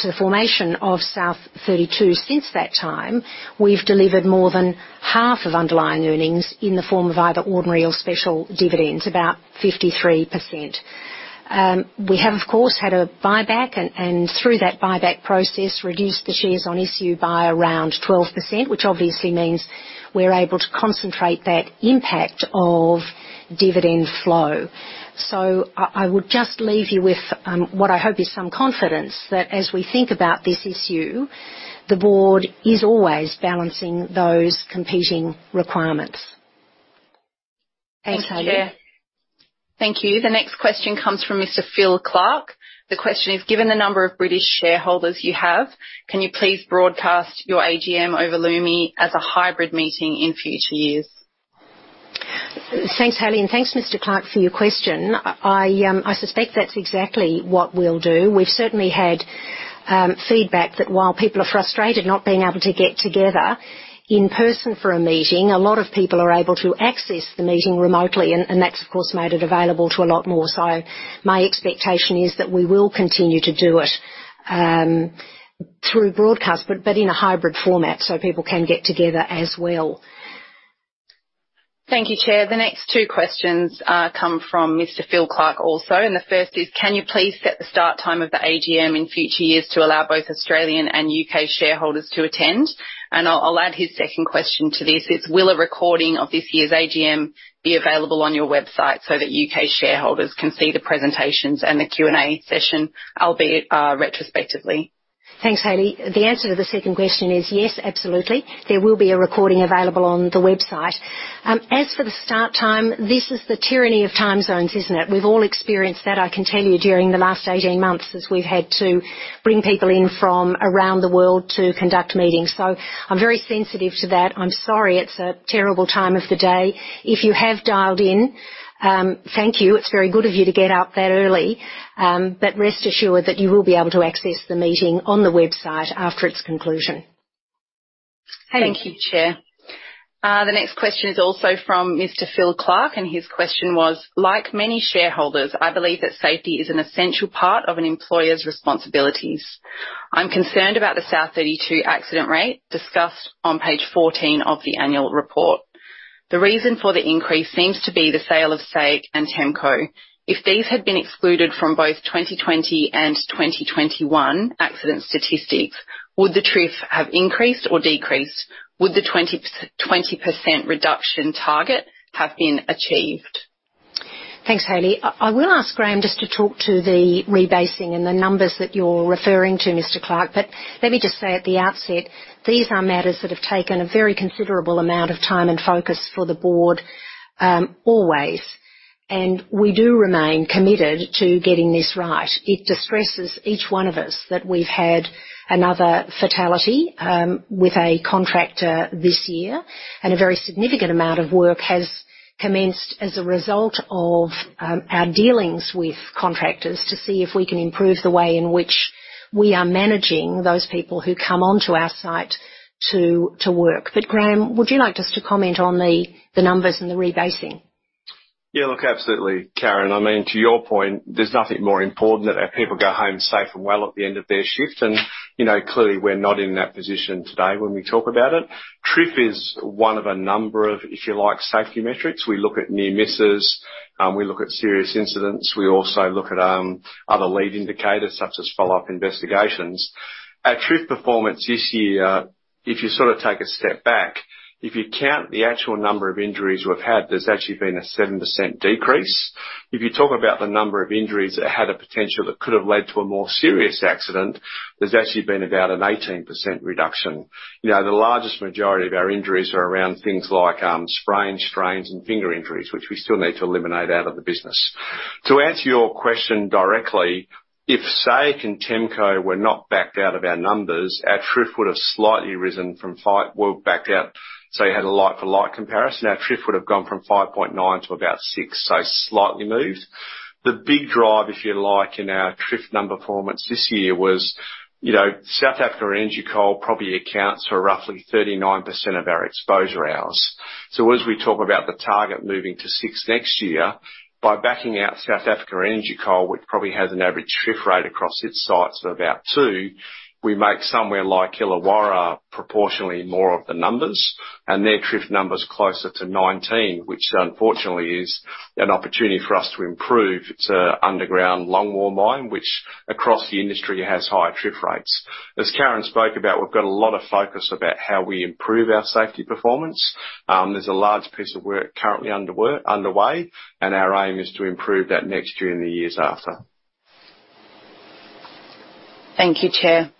to the formation of South32, since that time, we've delivered more than half of underlying earnings in the form of either ordinary or special dividends, about 53%. We have, of course, had a buyback, and through that buyback process, reduced the shares on issue by around 12%, which obviously means we're able to concentrate that impact of dividend flow. I would just leave you with what I hope is some confidence that as we think about this issue, the Board is always balancing those competing requirements. Thanks, Chair. Thank you. Thank you. The next question comes from Mr. Phil Clark. The question is: Given the number of British shareholders you have, can you please broadcast your AGM over Lumi as a hybrid meeting in future years? Thanks, Hayley, and thanks, Mr. Clark, for your question. I suspect that's exactly what we'll do. We've certainly had feedback that while people are frustrated not being able to get together in person for a meeting, a lot of people are able to access the meeting remotely, and that's, of course, made it available to a lot more. My expectation is that we will continue to do it through broadcast, but in a hybrid format, so people can get together as well. Thank you, Chair. The next two questions come from Mr. Phil Clark also. The first is: Can you please set the start time of the AGM in future years to allow both Australian and U.K. shareholders to attend? I'll add his second question to this. It's: Will a recording of this year's AGM be available on your website so that U.K. shareholders can see the presentations and the Q&A session, albeit, retrospectively? Thanks, Hayley. The answer to the second question is yes, absolutely. There will be a recording available on the website. As for the start time, this is the tyranny of time zones, isn't it? We've all experienced that, I can tell you, during the last 18 months, as we've had to bring people in from around the world to conduct meetings. I'm very sensitive to that. I'm sorry it's a terrible time of the day. If you have dialed in, thank you. It's very good of you to get up that early. Rest assured that you will be able to access the meeting on the website after its conclusion. Hayley. Thank you, Chair. The next question is also from Mr. Phil Clark, and his question was: Like many shareholders, I believe that safety is an essential part of an employer's responsibilities. I'm concerned about the South32 accident rate discussed on page 14 of the annual report. The reason for the increase seems to be the sale of SAEC and TEMCO. If these had been excluded from both 2020 and 2021 accident statistics, would the TRIF have increased or decreased? Would the 20% reduction target have been achieved? Thanks, Hayley. I will ask Graham just to talk to the rebasing and the numbers that you're referring to Mr. Clark. Let me just say at the outset, these are matters that have taken a very considerable amount of time and focus for the Board, always. We do remain committed to getting this right. It distresses each one of us that we've had another fatality with a contractor this year. A very significant amount of work has commenced as a result of our dealings with contractors to see if we can improve the way in which we are managing those people who come onto our site to work. Graham, would you like just to comment on the numbers and the rebasing? Yeah. Look, absolutely, Karen. I mean, to your point, there's nothing more important than our people go home safe and well at the end of their shift. You know, clearly, we're not in that position today when we talk about it. TRIF is one of a number of, if you like, safety metrics. We look at near misses. We look at serious incidents. We also look at other lead indicators, such as follow-up investigations. Our TRIF performance this year, if you sort of take a step back, if you count the actual number of injuries we've had, there's actually been a 7% decrease. If you talk about the number of injuries that had a potential that could have led to a more serious accident, there's actually been about an 18% reduction. You know, the largest majority of our injuries are around things like sprains, strains, and finger injuries, which we still need to eliminate out of the business. To answer your question directly, if SAEC and TEMCO were not backed out of our numbers, our TRIF would have slightly risen from 5.9 to about 6, so slightly moved. The big drive, if you like, in our TRIF number performance this year was, you know, South Africa Energy Coal probably accounts for roughly 39% of our exposure hours. As we talk about the target moving to 6 next year, by backing out South Africa Energy Coal, which probably has an average TRIF rate across its sites of about 2, we make somewhere like Illawarra proportionally more of the numbers, and their TRIF number's closer to 19, which unfortunately is an opportunity for us to improve. It's an underground longwall mine, which across the industry has higher TRIF rates. As Karen spoke about, we've got a lot of focus about how we improve our safety performance. There's a large piece of work currently underway, and our aim is to improve that next year and the years after. Thank you, Chair.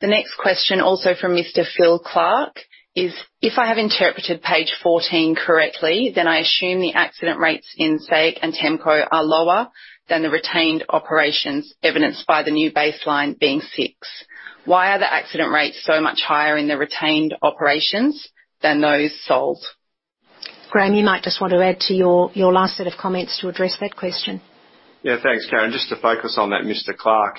The next question, also from Mr. Phil Clark, is: If I have interpreted page 14 correctly, then I assume the accident rates in SAEC and TEMCO are lower than the retained operations evidenced by the new baseline being 6. Why are the accident rates so much higher in the retained operations than those sold? Graham, you might just want to add to your last set of comments to address that question. Thanks, Karen. Just to focus on that, Mr. Clark.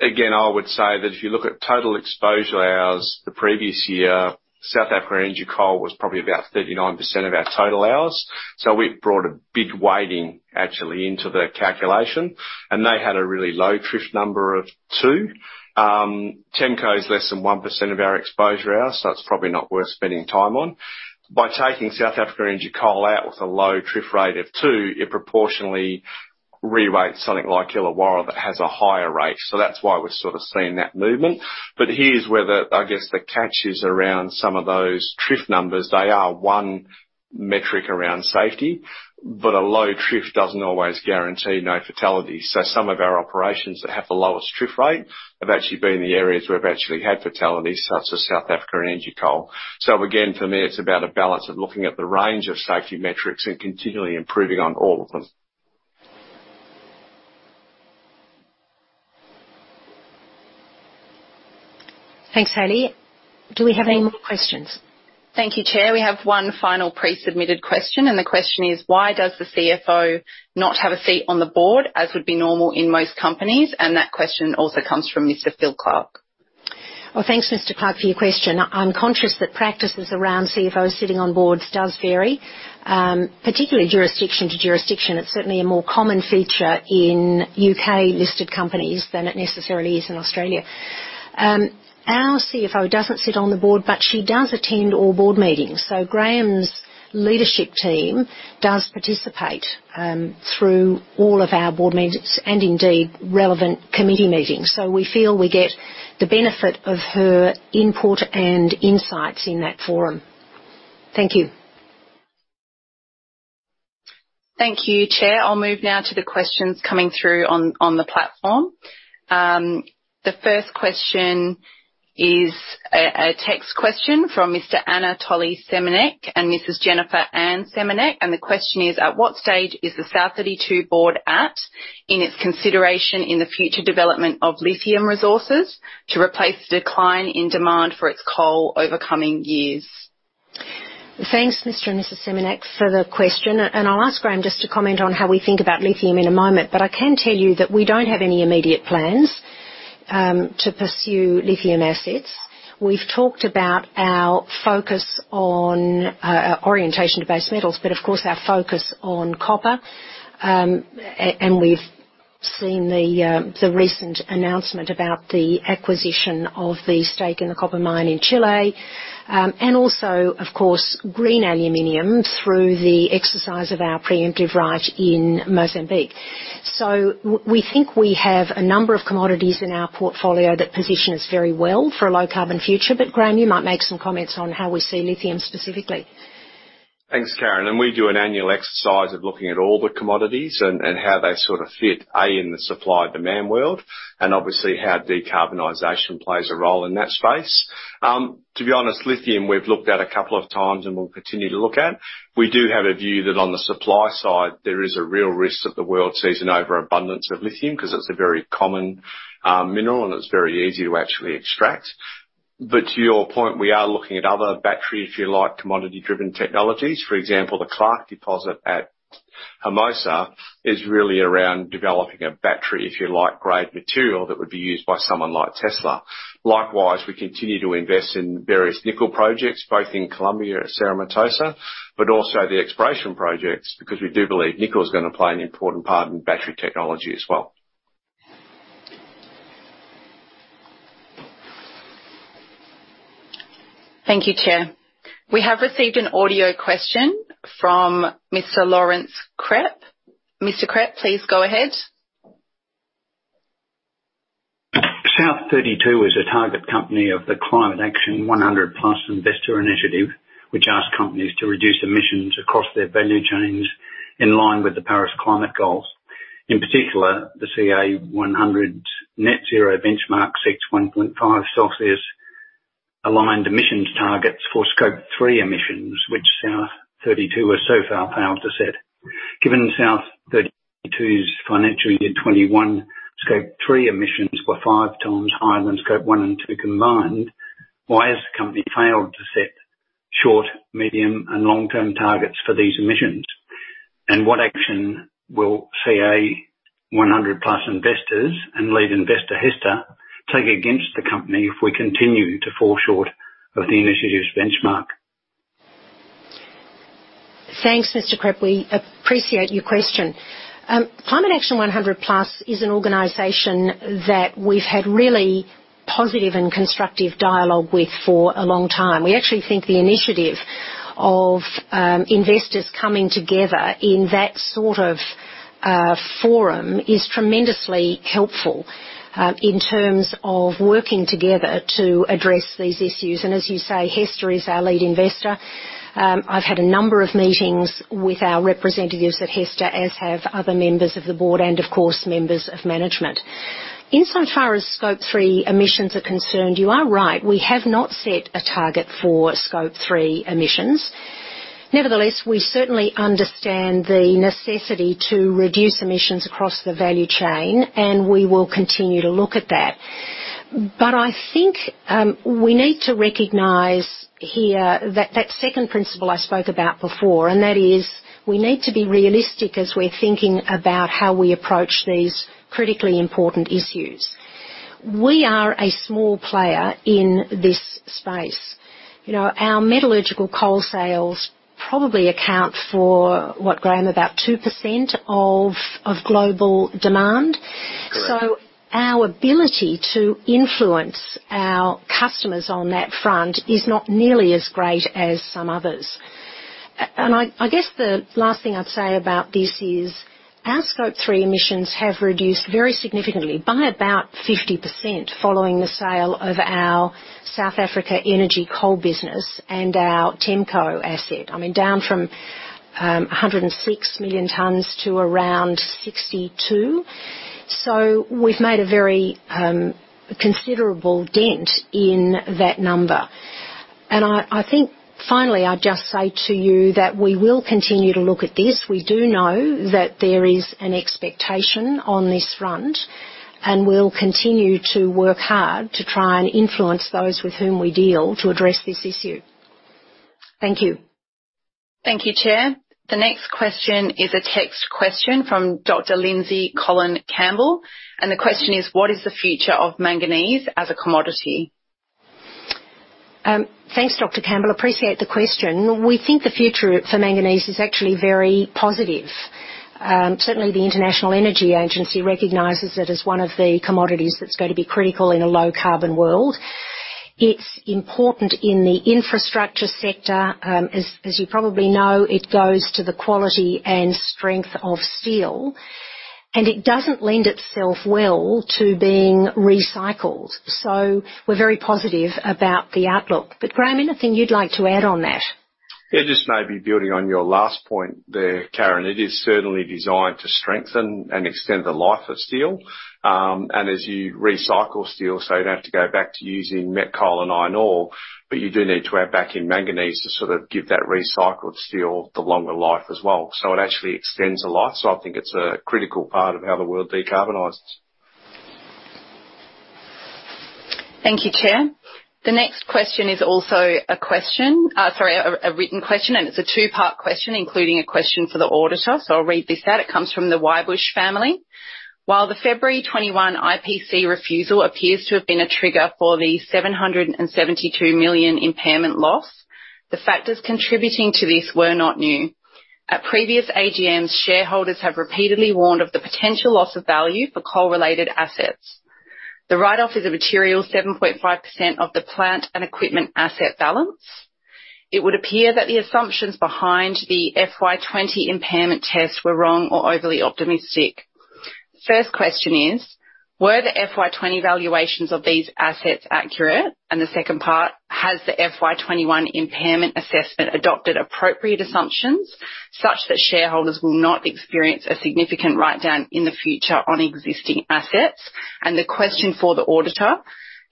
Again, I would say that if you look at total exposure hours the previous year, South Africa Energy Coal was probably about 39% of our total hours, so it brought a big weighting actually into the calculation. They had a really low TRIF of 2. TEMCO is less than 1% of our exposure hours, so that's probably not worth spending time on. By taking South Africa Energy Coal out with a low TRIF rate of 2, it proportionally re-weights something like Illawarra that has a higher rate. That's why we're sort of seeing that movement. Here's where, I guess, the catch is around some of those TRIF numbers. They are 1 metric around safety, but a low TRIF doesn't always guarantee no fatalities. Some of our operations that have the lowest TRIF rate have actually been in the areas where we've actually had fatalities, such as South Africa Energy Coal. Again, for me, it's about a balance of looking at the range of safety metrics and continually improving on all of them. Thanks, Hayley. Do we have any more questions? Thank you, Chair. We have one final pre-submitted question, and the question is: Why does the CFO not have a seat on the Board, as would be normal in most companies? That question also comes from Mr. Phil Clark. Well, thanks, Mr. Clark, for your question. I'm conscious that practices around CFOs sitting on Boards does vary, particularly jurisdiction to jurisdiction. It's certainly a more common feature in U.K.-listed companies than it necessarily is in Australia. Our CFO doesn't sit on the Board, but she does attend all Board meetings. Graham's leadership team does participate through all of our Board meetings and indeed relevant committee meetings. We feel we get the benefit of her input and insights in that forum. Thank you. Thank you, Chair. I'll move now to the questions coming through on the platform. The first question is a text question from Mr. Anatoly Semenek and Mrs. Jennifer Anne Semenek. The question is: At what stage is the South32 Board at in its consideration in the future development of lithium resources to replace the decline in demand for its coal over coming years? Thanks, Mr. and Mrs. Semenek, for the question, and I'll ask Graham just to comment on how we think about lithium in a moment, but I can tell you that we don't have any immediate plans to pursue lithium assets. We've talked about our focus on orientation to base metals, but of course, our focus on copper. And we've seen the recent announcement about the acquisition of the stake in the copper mine in Chile, and also, of course, green aluminum through the exercise of our preemptive right in Mozambique. We think we have a number of commodities in our portfolio that position us very well for a low-carbon future. Graham, you might make some comments on how we see lithium specifically. Thanks, Karen, and we do an annual exercise of looking at all the commodities and how they sort of fit in the supply/demand world, and obviously how decarbonization plays a role in that space. To be honest, lithium, we've looked at a couple of times, and we'll continue to look at. We do have a view that on the supply side, there is a real risk that the world sees an overabundance of lithium because it's a very common mineral, and it's very easy to actually extract. But to your point, we are looking at other battery, if you like, commodity-driven technologies. For example, the Clark deposit at Hermosa is really around developing a battery, if you like, grade material that would be used by someone like Tesla. Likewise, we continue to invest in various nickel projects, both in Colombia at Cerro Matoso, but also the exploration projects because we do believe nickel is gonna play an important part in battery technology as well. Thank you, Chair. We have received an audio question from Mr. Lawrence Krepp. Mr. Krepp, please go ahead. South32 is a target company of the Climate Action 100+ Investor Initiative, which asks companies to reduce emissions across their value chains in line with the Paris Climate goals. In particular, the CA 100 net zero benchmark sets 1.5 Celsius aligned emissions targets for Scope 3 emissions, which South32 has so far failed to set. Given South32's financial year 2021 Scope 3 emissions were 5x higher than Scope 1 and 2 combined, why has the company failed to set short, medium, and long-term targets for these emissions? And what action will CA 100+ investors and lead investor HESTA take against the company if we continue to fall short of the initiative's benchmark? Thanks, Mr. Krepp. We appreciate your question. Climate Action 100+ is an organization that we've had really positive and constructive dialogue with for a long time. We actually think the initiative of investors coming together in that sort of forum is tremendously helpful in terms of working together to address these issues. As you say, HESTA is our lead investor. I've had a number of meetings with our representatives at HESTA, as have other members of the Board and, of course, members of management. Insofar as Scope 3 emissions are concerned, you are right, we have not set a target for Scope 3 emissions. Nevertheless, we certainly understand the necessity to reduce emissions across the value chain, and we will continue to look at that. I think we need to recognize here that second principle I spoke about before, and that is we need to be realistic as we're thinking about how we approach these critically important issues. We are a small player in this space. You know, our metallurgical coal sales probably account for what, Graham? About 2% of global demand. Correct. Our ability to influence our customers on that front is not nearly as great as some others. I guess the last thing I'd say about this is our Scope 3 emissions have reduced very significantly by about 50% following the sale of our South Africa Energy Coal business and our TEMCO asset. I mean, down from 106 million tons to around 62 million tons. We've made a very considerable dent in that number. I think finally I'd just say to you that we will continue to look at this. We do know that there is an expectation on this front, and we'll continue to work hard to try and influence those with whom we deal to address this issue. Thank you. Thank you, Chair. The next question is a text question from Dr. Lindsay Colin Campbell. The question is: What is the future of manganese as a commodity? Thanks, Dr. Campbell. Appreciate the question. We think the future for manganese is actually very positive. Certainly the International Energy Agency recognizes it as one of the commodities that's going to be critical in a low-carbon world. It's important in the infrastructure sector. As you probably know, it goes to the quality and strength of steel, and it doesn't lend itself well to being recycled. We're very positive about the outlook. Graham, anything you'd like to add on that? Yeah. Just maybe building on your last point there, Karen, it is certainly designed to strengthen and extend the life of steel. As you recycle steel, so you don't have to go back to using met coal and iron ore, but you do need to add back in manganese to sort of give that recycled steel the longer life as well. It actually extends the life. I think it's a critical part of how the world decarbonizes. Thank you, Chair. The next question is a written question, and it's a two-part question, including a question for the auditor. I'll read this out. It comes from the Wybush family. While the February 2021 IPC refusal appears to have been a trigger for the $772 million impairment loss, the factors contributing to this were not new. At previous AGMs, shareholders have repeatedly warned of the potential loss of value for coal-related assets. The write-off is a material 7.5% of the plant and equipment asset balance. It would appear that the assumptions behind the FY 2020 impairment test were wrong or overly optimistic. First question is: Were the FY 2020 valuations of these assets accurate? The second part: Has the FY 2021 impairment assessment adopted appropriate assumptions such that shareholders will not experience a significant write-down in the future on existing assets? The question for the auditor: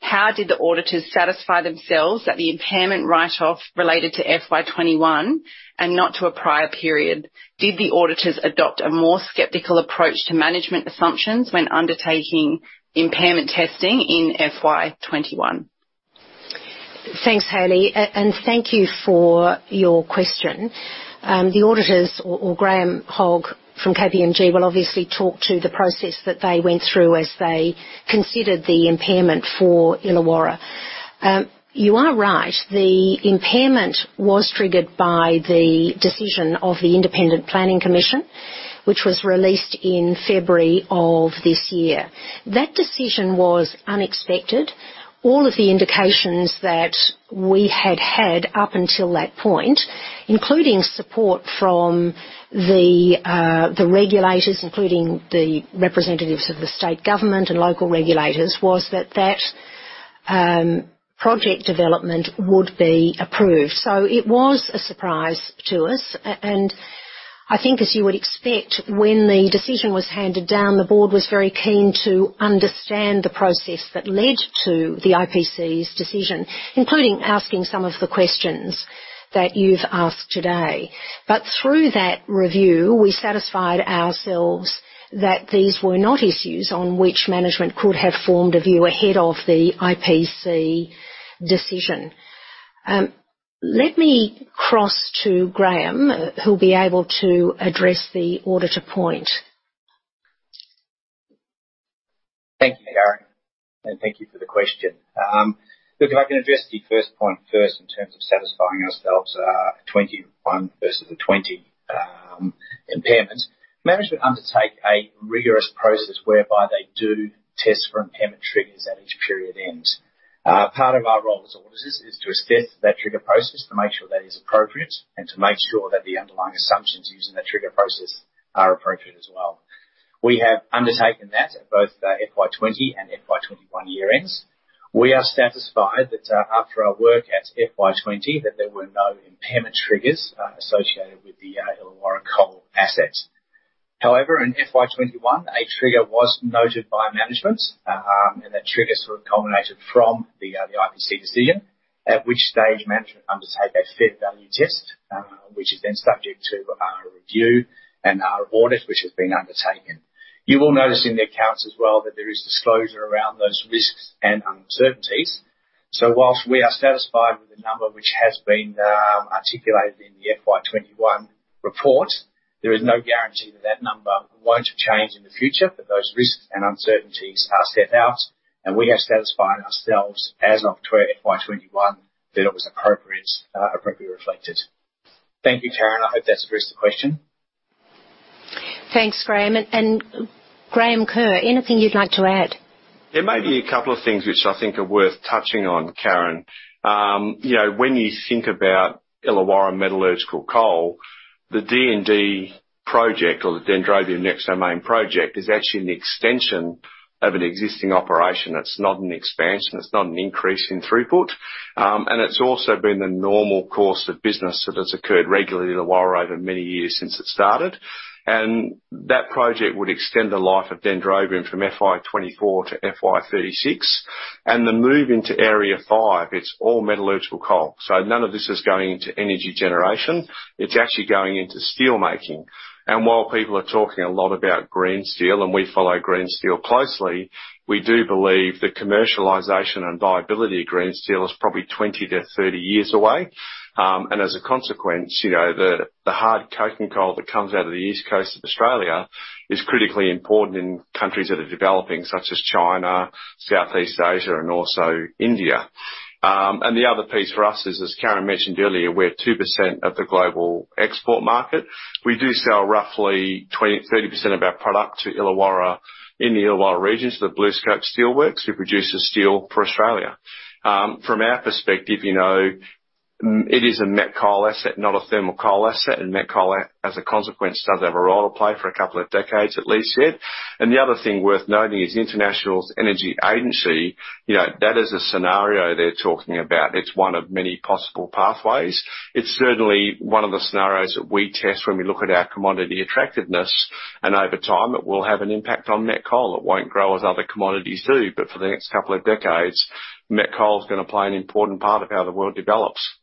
How did the auditors satisfy themselves that the impairment write off related to FY 2021 and not to a prior period? Did the auditors adopt a more skeptical approach to management assumptions when undertaking impairment testing in FY 2021? Thanks, Hayley, and thank you for your question. The auditors or Graham Hogg from KPMG will obviously talk to the process that they went through as they considered the impairment for Illawarra. You are right. The impairment was triggered by the decision of the Independent Planning Commission, which was released in February of this year. That decision was unexpected. All of the indications that we had had up until that point, including support from the regulators, including the representatives of the state government and local regulators, was that project development would be approved. It was a surprise to us. I think as you would expect, when the decision was handed down, the Board was very keen to understand the process that led to the IPC's decision, including asking some of the questions that you've asked today. Through that review, we satisfied ourselves that these were not issues on which management could have formed a view ahead of the IPC decision. Let me cross to Graham, who'll be able to address the auditor point. Thank you, Karen, and thank you for the question. Look, if I can address the first point first in terms of satisfying ourselves, 2021 versus the 2020, impairment. Management undertake a rigorous process whereby they do test for impairment triggers at each period end. Part of our role as auditors is to assess that trigger process to make sure that is appropriate and to make sure that the underlying assumptions used in that trigger process are appropriate as well. We have undertaken that at both the FY 2020 and FY 2021 year-ends. We are satisfied that, after our work at FY 2020 that there were no impairment triggers, associated with the Illawarra Metallurgical Coal assets. However, in FY 2021, a trigger was noted by management, and that trigger sort of culminated from the IPC decision. At which stage management undertake a fair value test, which is then subject to our review and our audit, which has been undertaken. You will notice in the accounts as well that there is disclosure around those risks and uncertainties. Whilst we are satisfied with the number which has been articulated in the FY 2021 report, there is no guarantee that that number won't change in the future. Those risks and uncertainties are set out, and we are satisfied ourselves as of FY 2021 that it was appropriate, appropriately reflected. Thank you, Karen. I hope that's addressed the question. Thanks, Graham. Graham Kerr, anything you'd like to add? There may be a couple of things which I think are worth touching on, Karen. You know, when you think about Illawarra Metallurgical Coal, the DND project, or the Dendrobium Next Domain project, is actually an extension of an existing operation. It's not an expansion. It's not an increase in throughput. It's also been the normal course of business that has occurred regularly at Illawarra over many years since it started. That project would extend the life of Dendrobium from FY 2024 to FY 2036. The move into Area 5, it's all metallurgical coal. None of this is going into energy generation. It's actually going into steelmaking. While people are talking a lot about green steel, and we follow green steel closely, we do believe the commercialization and viability of green steel is probably 20-30 years away. As a consequence, you know, the hard coking coal that comes out of the east coast of Australia is critically important in countries that are developing, such as China, Southeast Asia and also India. The other piece for us is, as Karen mentioned earlier, we're 2% of the global export market. We do sell roughly 30% of our product to Illawarra, in the Illawarra region to the BlueScope Steel, who produces steel for Australia. From our perspective, you know, it is a met coal asset, not a thermal coal asset. Met coal, as a consequence, does have a role to play for a couple of decades at least yet. The other thing worth noting is International Energy Agency, you know, that is a scenario they're talking about. It's one of many possible pathways. It's certainly one of the scenarios that we test when we look at our commodity attractiveness. Over time, it will have an impact on met coal. It won't grow as other commodities do, but for the next couple of decades, met coal is gonna play an important part of how the world develops.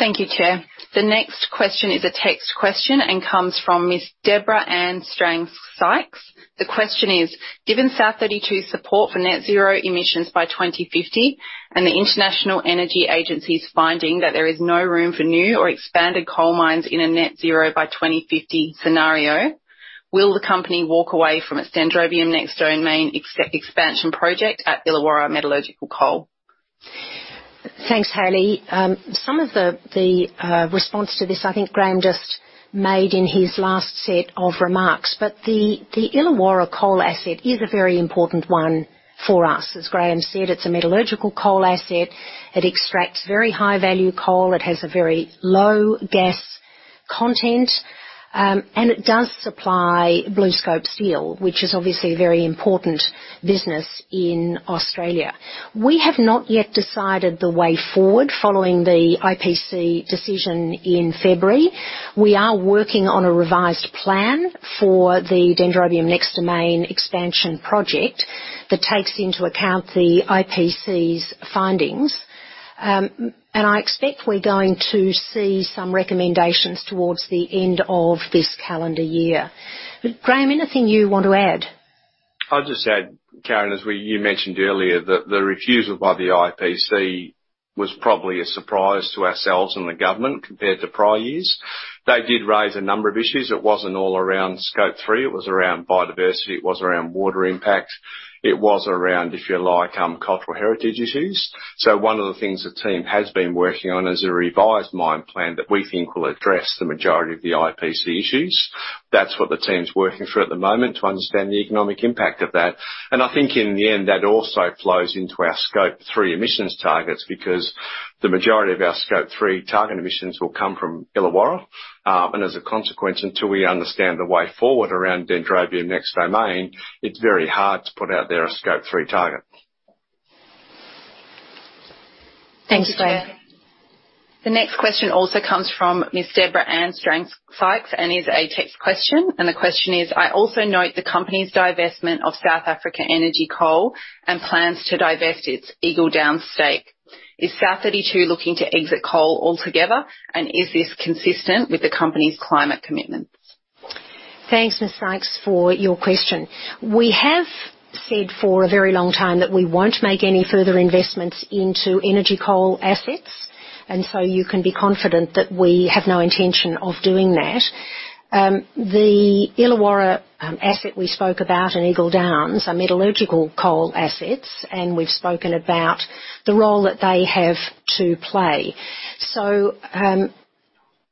Thank you, Chair. The next question is a text question and comes from Miss Deborah Anne Strang Sykes. The question is: Given South32's support for net zero emissions by 2050 and the International Energy Agency's finding that there is no room for new or expanded coal mines in a net zero by 2050 scenario, will the company walk away from its Dendrobium Next Domain extension project at Illawarra Metallurgical Coal? Thanks, Hayley. Some of the response to this, I think Graham just made in his last set of remarks. The Illawarra coal asset is a very important one for us. As Graham said, it's a metallurgical coal asset. It extracts very high-value coal. It has a very low gas content. It does supply BlueScope Steel, which is obviously a very important business in Australia. We have not yet decided the way forward following the IPC decision in February. We are working on a revised plan for the Dendrobium Next Domain expansion project that takes into account the IPC's findings. I expect we're going to see some recommendations towards the end of this calendar year. Graham, anything you want to add? I'll just add, Karen, as you mentioned earlier, the refusal by the IPC was probably a surprise to ourselves and the government compared to prior years. They did raise a number of issues. It wasn't all around Scope 3, it was around biodiversity, it was around water impact, it was around, if you like, cultural heritage issues. One of the things the team has been working on is a revised mine plan that we think will address the majority of the IPC issues. That's what the team's working through at the moment to understand the economic impact of that. I think in the end, that also flows into our Scope 3 emissions targets, because the majority of our Scope 3 target emissions will come from Illawarra. As a consequence, until we understand the way forward around Dendrobium Next Domain, it's very hard to put out there a Scope 3 target. Thanks, Graham. Thank you, Chair. The next question also comes from Miss Deborah Anne Strang Sykes and is a text question. The question is: I also note the company's divestment of South Africa Energy Coal and plans to divest its Eagle Downs stake. Is South32 looking to exit coal altogether, and is this consistent with the company's climate commitments? Thanks, Ms. Sykes, for your question. We have said for a very long time that we won't make any further investments into energy coal assets. You can be confident that we have no intention of doing that. The Illawarra asset we spoke about and Eagle Downs are metallurgical coal assets, and we've spoken about the role that they have to play.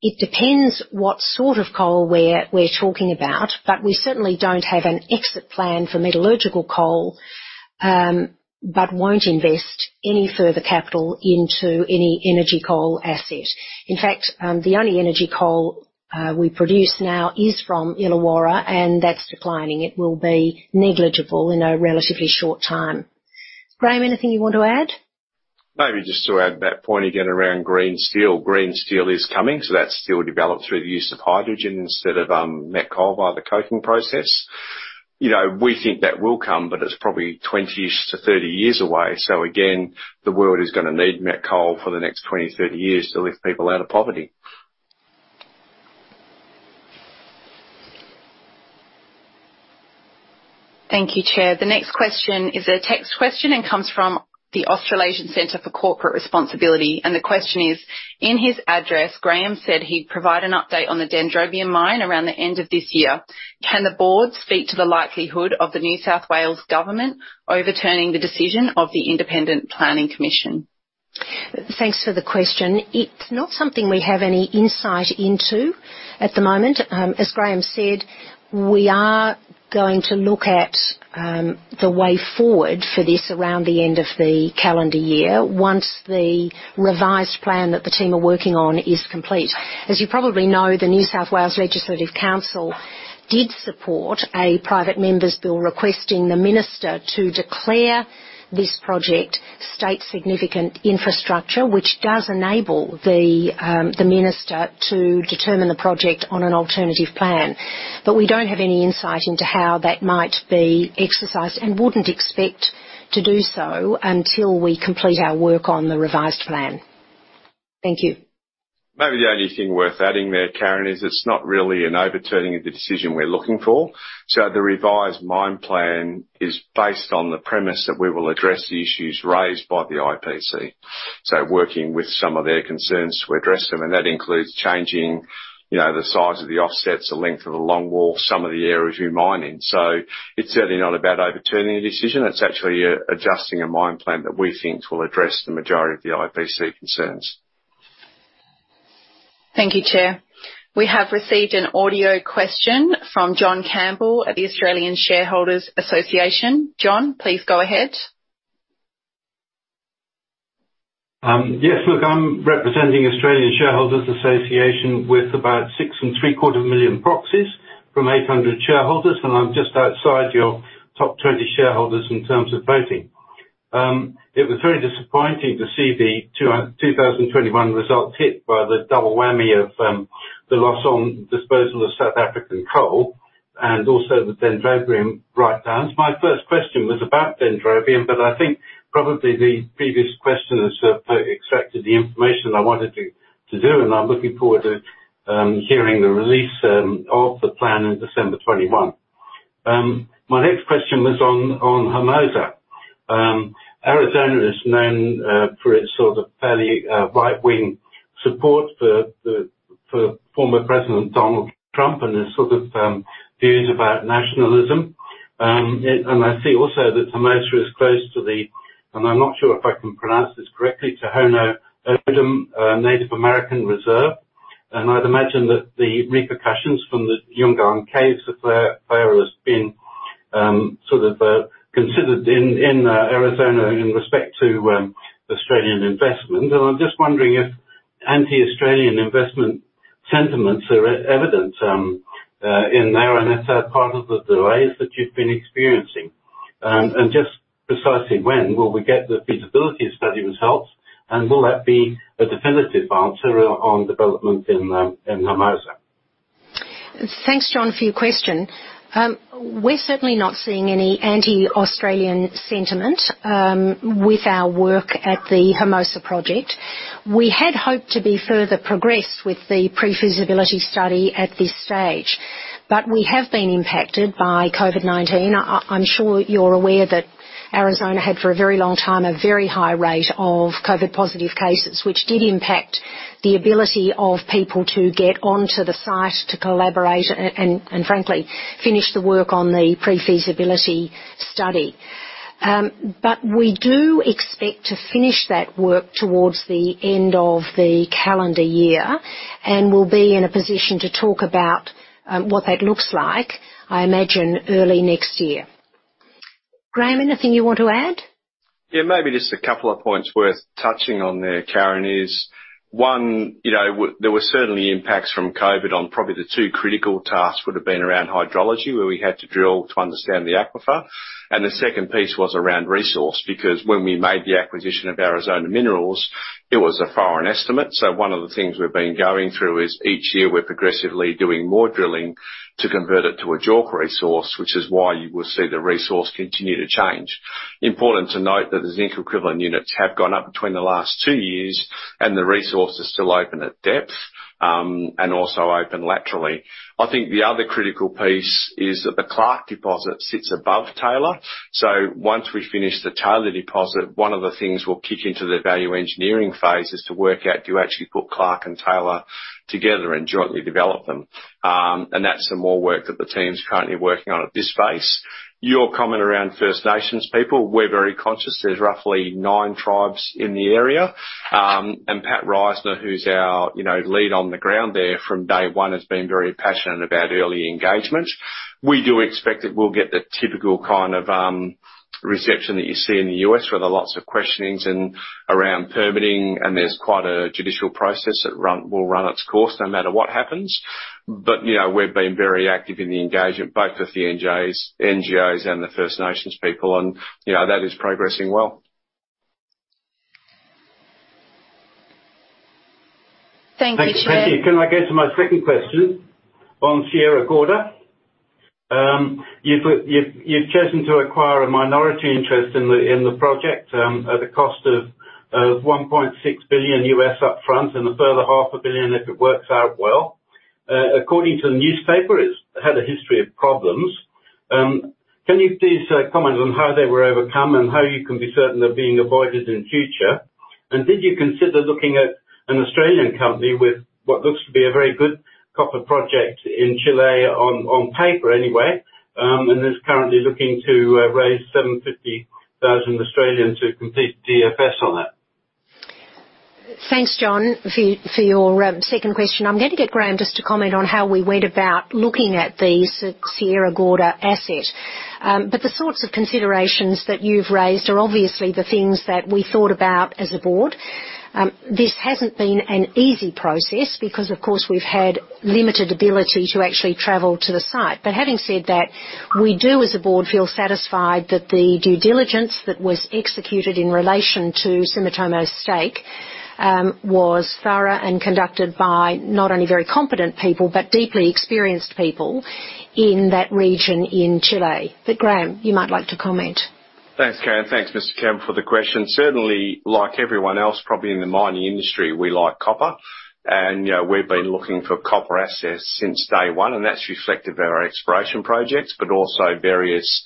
It depends what sort of coal we're talking about, but we certainly don't have an exit plan for metallurgical coal, but won't invest any further capital into any energy coal asset. In fact, the only energy coal we produce now is from Illawarra, and that's declining. It will be negligible in a relatively short time. Graham, anything you want to add? Maybe just to add that point again around green steel. Green steel is coming, so that's steel developed through the use of hydrogen instead of met coal via the coking process. You know, we think that will come, but it's probably 20-ish to 30 years away. Again, the world is gonna need met coal for the next 20 to 30 years to lift people out of poverty. Thank you, Chair. The next question is a text question and comes from the Australasian Centre for Corporate Responsibility, and the question is, in his address, Graham said he'd provide an update on the Dendrobium mine around the end of this year. Can the Board speak to the likelihood of the New South Wales Government overturning the decision of the Independent Planning Commission? Thanks for the question. It's not something we have any insight into at the moment. As Graham said, we are going to look at the way forward for this around the end of the calendar year, once the revised plan that the team are working on is complete. As you probably know, the New South Wales Legislative Council did support a private member's bill requesting the minister to declare this project state significant infrastructure, which does enable the minister to determine the project on an alternative plan. We don't have any insight into how that might be exercised and wouldn't expect to do so until we complete our work on the revised plan. Thank you. Maybe the only thing worth adding there, Karen, is it's not really an overturning of the decision we're looking for. The revised mine plan is based on the premise that we will address the issues raised by the IPC. Working with some of their concerns to address them, and that includes changing, you know, the size of the offsets, the length of the long wall, some of the areas we mine in. It's certainly not about overturning a decision. It's actually adjusting a mine plan that we think will address the majority of the IPC concerns. Thank you, Chair. We have received an audio question from John Campbell at the Australian Shareholders' Association. John, please go ahead. Yes, look, I'm representing Australian Shareholders' Association with about 6.75 million proxies from 800 shareholders, and I'm just outside your top 20 shareholders in terms of voting. It was very disappointing to see the 2021 results hit by the double whammy of the loss on disposal of South African coal and also the Dendrobium write-down. My first question was about Dendrobium, but I think probably the previous question has extracted the information I wanted to do, and I'm looking forward to hearing the release of the plan in December 2021. My next question was on Hermosa. Arizona is known for its sort of fairly right-wing support for former President Donald Trump and his sort of views about nationalism. I see also that Hermosa is close to the, and I'm not sure if I can pronounce this correctly, Tohono O'odham Native American Reserve. I'd imagine that the repercussions from the young gang case affair has been sort of considered in Arizona in respect to Australian investment. I'm just wondering if anti-Australian investment sentiments are evident in there and if they're part of the delays that you've been experiencing. Just precisely when will we get the feasibility study results, and will that be a definitive answer on development in Hermosa? Thanks, John, for your question. We're certainly not seeing any anti-Australian sentiment with our work at the Hermosa project. We had hoped to be further progressed with the pre-feasibility study at this stage, but we have been impacted by COVID-19. I'm sure you're aware that Arizona had, for a very long time, a very high rate of COVID positive cases, which did impact the ability of people to get onto the site to collaborate and frankly, finish the work on the pre-feasibility study. We do expect to finish that work towards the end of the calendar year, and we'll be in a position to talk about what that looks like, I imagine early next year. Graham, anything you want to add? Yeah, maybe just a couple of points worth touching on there, Karen, is one, you know, there were certainly impacts from COVID on probably the two critical tasks would have been around hydrology, where we had to drill to understand the aquifer. The second piece was around resource, because when we made the acquisition of Arizona Mining, it was a foreign estimate. One of the things we've been going through is each year we're progressively doing more drilling to convert it to a JORC resource, which is why you will see the resource continue to change. Important to note that the zinc equivalent units have gone up between the last 2 years and the resource is still open at depth, and also open laterally. I think the other critical piece is that the Clark deposit sits above Taylor. Once we finish the Taylor deposit, one of the things we'll kick into the value engineering phase is to work out, do you actually put Clark and Taylor together and jointly develop them? And that's some more work that the team's currently working on at this phase. Your comment around First Nations people, we're very conscious there's roughly nine tribes in the area. And Pat Risner, who's our, you know, lead on the ground there from day one, has been very passionate about early engagement. We do expect that we'll get the typical kind of reception that you see in the U.S., where there are lots of questioning around permitting, and there's quite a judicial process that will run its course no matter what happens. You know, we've been very active in the engagement, both with the NGOs and the First Nations people and, you know, that is progressing well. Thank you, Chair. Thank you. Can I go to my second question on Sierra Gorda? You've chosen to acquire a minority interest in the project at the cost of $1.6 billion upfront and a further half a billion if it works out well. According to the newspaper, it's had a history of problems. Can you please comment on how they were overcome and how you can be certain they're being avoided in future? Did you consider looking at an Australian company with what looks to be a very good copper project in Chile on paper anyway, and is currently looking to raise 750,000 to complete DFS on it? Thanks, John, for your second question. I'm going to get Graham just to comment on how we went about looking at the Sierra Gorda asset. The sorts of considerations that you've raised are obviously the things that we thought about as a Board. This hasn't been an easy process because, of course, we've had limited ability to actually travel to the site. Having said that, we do, as a Board, feel satisfied that the due diligence that was executed in relation to Sumitomo's stake was thorough and conducted by not only very competent people but deeply experienced people in that region in Chile. Graham, you might like to comment. Thanks, Karen. Thanks, Mr. Campbell, for the question. Certainly, like everyone else probably in the mining industry, we like copper. You know, we've been looking for copper assets since day one, and that's reflected in our exploration projects, but also various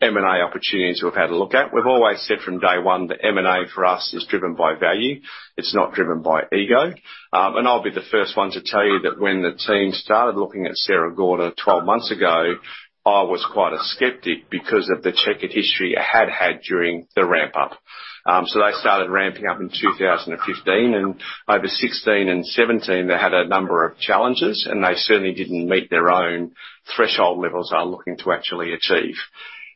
M&A opportunities we've had a look at. We've always said from day one that M&A for us is driven by value. It's not driven by ego. I'll be the first one to tell you that when the team started looking at Sierra Gorda 12 months ago, I was quite a skeptic because of the checkered history it had had during the ramp up. They started ramping up in 2015, and over 2016 and 2017, they had a number of challenges, and they certainly didn't meet their own threshold levels they were looking to actually achieve.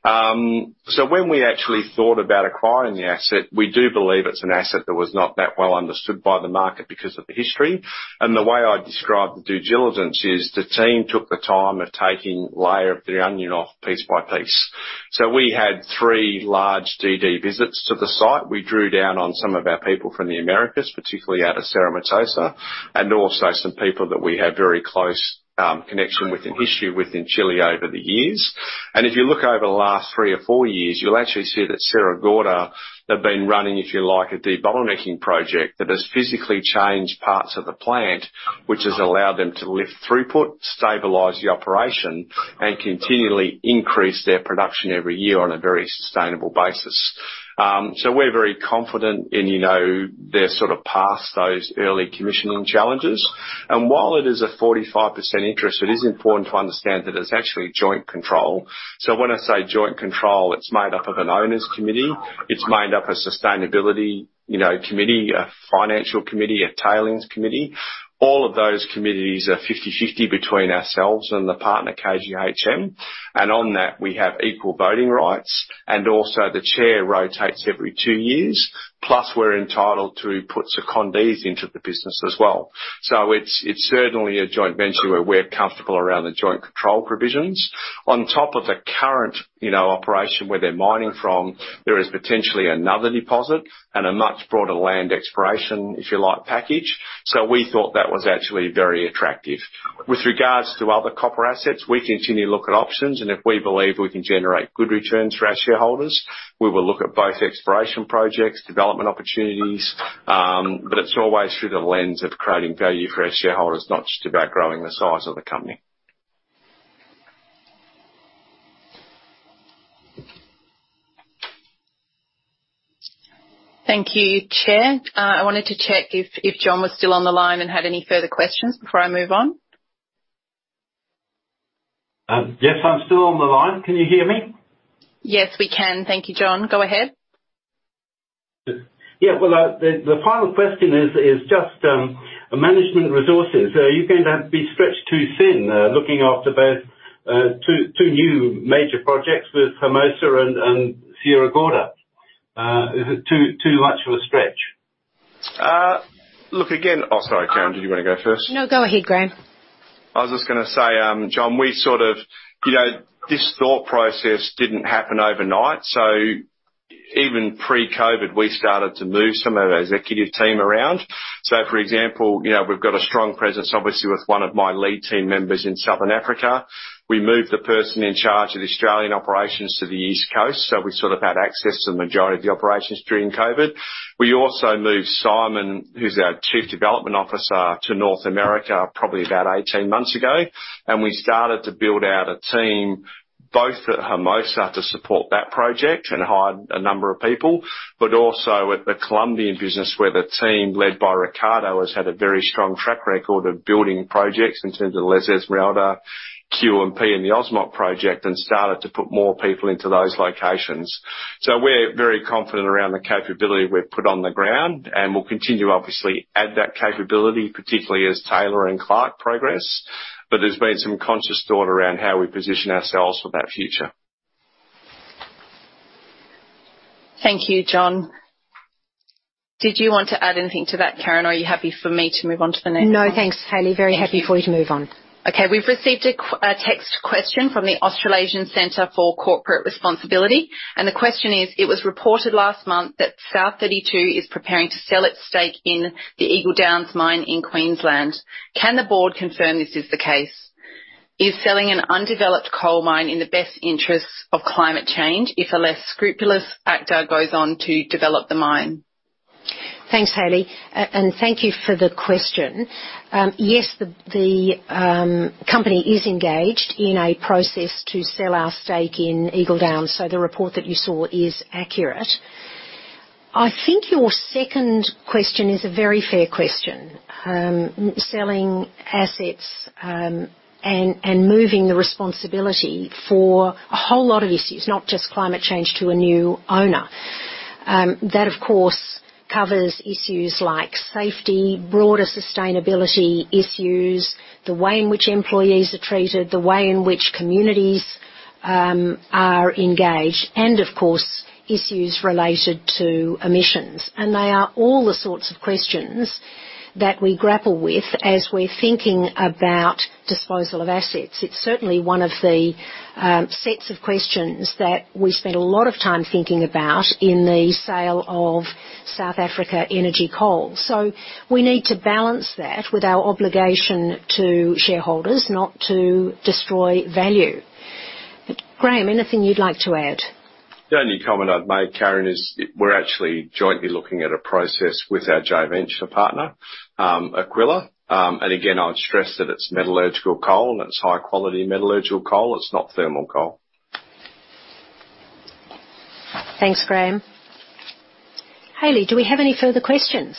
When we actually thought about acquiring the asset, we do believe it's an asset that was not that well understood by the market because of the history. The way I describe the due diligence is the team took the time of taking layer of the onion off piece by piece. We had three large DD visits to the site. We drew down on some of our people from the Americas, particularly out of Cerro Matoso, and also some people that we have very close, connection with and history with in Chile over the years. If you look over the last 3 or 4 years, you'll actually see that Sierra Gorda have been running, if you like, a debottlenecking project that has physically changed parts of the plant, which has allowed them to lift throughput, stabilize the operation, and continually increase their production every year on a very sustainable basis. We're very confident in, you know, they're sort of past those early commissioning challenges. While it is a 45% interest, it is important to understand that it's actually joint control. When I say joint control, it's made up of an owners' committee. It's made up a sustainability, you know, committee, a financial committee, a tailings committee. All of those committees are 50/50 between ourselves and the partner, KGHM. On that, we have equal voting rights. The Chair rotates every 2 years. We're entitled to put secondees into the business as well. It's certainly a joint venture where we're comfortable around the joint control provisions. On top of the current, you know, operation where they're mining from, there is potentially another deposit and a much broader land exploration, if you like, package. We thought that was actually very attractive. With regards to other copper assets, we continue to look at options. If we believe we can generate good returns for our shareholders, we will look at both exploration projects, development opportunities, but it's always through the lens of creating value for our shareholders, not just about growing the size of the company. Thank you, Chair. I wanted to check if John was still on the line and had any further questions before I move on. Yes, I'm still on the line. Can you hear me? Yes, we can. Thank you, John. Go ahead. Yeah. Well, the final question is just management resources. Are you going to be stretched too thin looking after both two new major projects with Hermosa and Sierra Gorda? Is it too much of a stretch? Oh, sorry, Karen, did you wanna go first? No, go ahead, Graham. I was just gonna say, John, we sort of, you know, this thought process didn't happen overnight, so even pre-COVID, we started to move some of the executive team around. For example, you know, we've got a strong presence obviously with one of my lead team members in Southern Africa. We moved the person in charge of the Australian operations to the East Coast, so we sort of had access to the majority of the operations during COVID. We also moved Simon, who's our chief development officer, to North America probably about 18 months ago. We started to build out a team, both at Hermosa to support that project and hired a number of people, but also at the Colombian business, where the team led by Ricardo has had a very strong track record of building projects in terms of La Esmeralda, QMP, and the Hermosa project, and started to put more people into those locations. We're very confident around the capability we've put on the ground, and we'll continue, obviously, add that capability, particularly as Taylor and Clark progress. There's been some conscious thought around how we position ourselves for that future. Thank you, John. Did you want to add anything to that, Karen, or are you happy for me to move on to the next one? No, thanks, Hayley. Very happy for you to move on. Okay. We've received a text question from the Australasian Centre for Corporate Responsibility, and the question is: It was reported last month that South32 is preparing to sell its stake in the Eagle Downs mine in Queensland. Can the Board confirm this is the case? Is selling an undeveloped coal mine in the best interest of climate change if a less scrupulous actor goes on to develop the mine? Thanks, Hayley, and thank you for the question. Yes, the company is engaged in a process to sell our stake in Eagle Downs, so the report that you saw is accurate. I think your second question, selling assets and moving the responsibility for a whole lot of issues, not just climate change, to a new owner, is a very fair question. That of course covers issues like safety, broader sustainability issues, the way in which employees are treated, the way in which communities are engaged, and of course, issues related to emissions. They are all the sorts of questions that we grapple with as we're thinking about disposal of assets. It's certainly one of the sets of questions that we spent a lot of time thinking about in the sale of South Africa Energy Coal. We need to balance that with our obligation to shareholders not to destroy value. Graham, anything you'd like to add? The only comment I'd make, Karen, is we're actually jointly looking at a process with our joint venture partner, Aquila. Again, I'd stress that it's metallurgical coal, and it's high quality metallurgical coal. It's not thermal coal. Thanks, Graham. Hayley, do we have any further questions?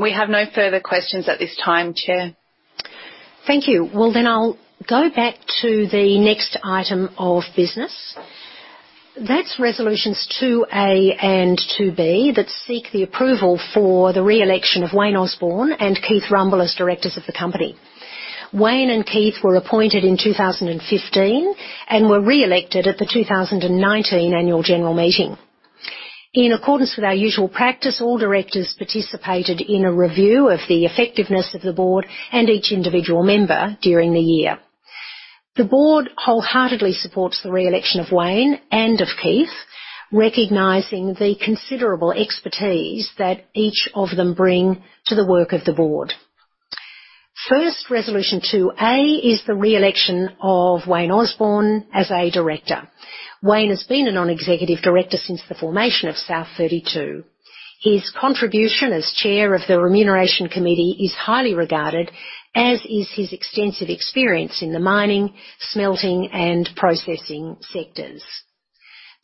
We have no further questions at this time, Chair. Thank you. Well, I'll go back to the next item of business. That's Resolutions 2(a) and 2(b) that seek the approval for the re-election of Wayne Osborn and Keith Rumble as directors of the company. Wayne and Keith were appointed in 2015 and were re-elected at the 2019 Annual General Meeting. In accordance with our usual practice, all directors participated in a review of the effectiveness of the Board and each individual member during the year. The Board wholeheartedly supports the re-election of Wayne and of Keith, recognizing the considerable expertise that each of them bring to the work of the Board. First Resolution 2(a) is the re-election of Wayne Osborn as a director. Wayne has been a Non-Executive Director since the formation of South32. His contribution as Chair of the Remuneration Committee is highly regarded, as is his extensive experience in the mining, smelting and processing sectors.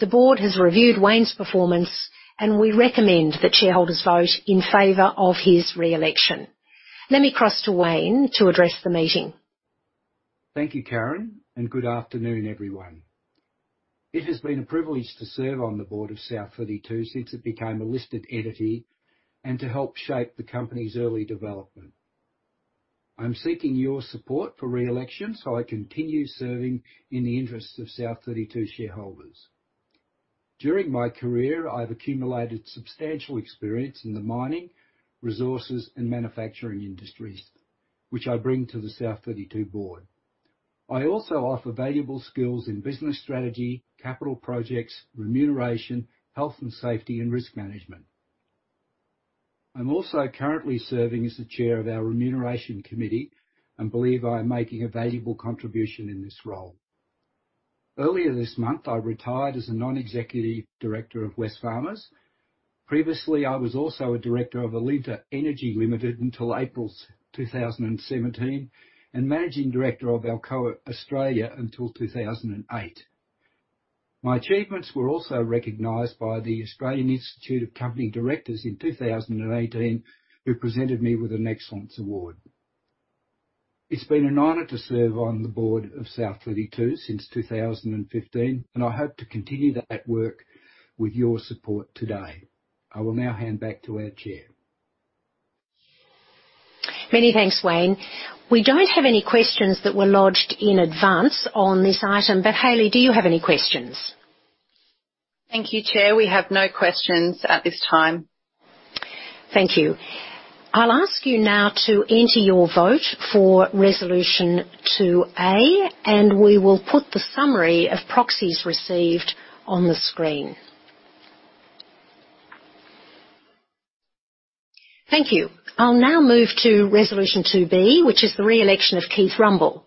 The Board has reviewed Wayne's performance, and we recommend that shareholders vote in favor of his re-election. Let me cross to Wayne to address the meeting. Thank you, Karen, and good afternoon, everyone. It has been a privilege to serve on the Board of South32 since it became a listed entity and to help shape the company's early development. I'm seeking your support for re-election, so I continue serving in the interests of South32 shareholders. During my career, I've accumulated substantial experience in the mining, resources and manufacturing industries, which I bring to the South32 Board. I also offer valuable skills in business strategy, capital projects, remuneration, health and safety, and risk management. I'm also currently serving as the Chair of our Remuneration Committee and believe I am making a valuable contribution in this role. Earlier this month, I retired as a Non-Executive Director of Wesfarmers. Previously, I was also a director of Alinta Energy Limited until April 2017 and managing director of Alcoa of Australia until 2008. My achievements were also recognized by the Australian Institute of Company Directors in 2018, who presented me with an Excellence Award. It's been an honor to serve on the Board of South32 since 2015, and I hope to continue that work with your support today. I will now hand back to our Chair. Many thanks, Wayne. We don't have any questions that were lodged in advance on this item, but Hayley, do you have any questions? Thank you, Chair. We have no questions at this time. Thank you. I'll ask you now to enter your vote for Resolution 2(a), and we will put the summary of proxies received on the screen. Thank you. I'll now move to Resolution 2(b), which is the re-election of Keith Rumble.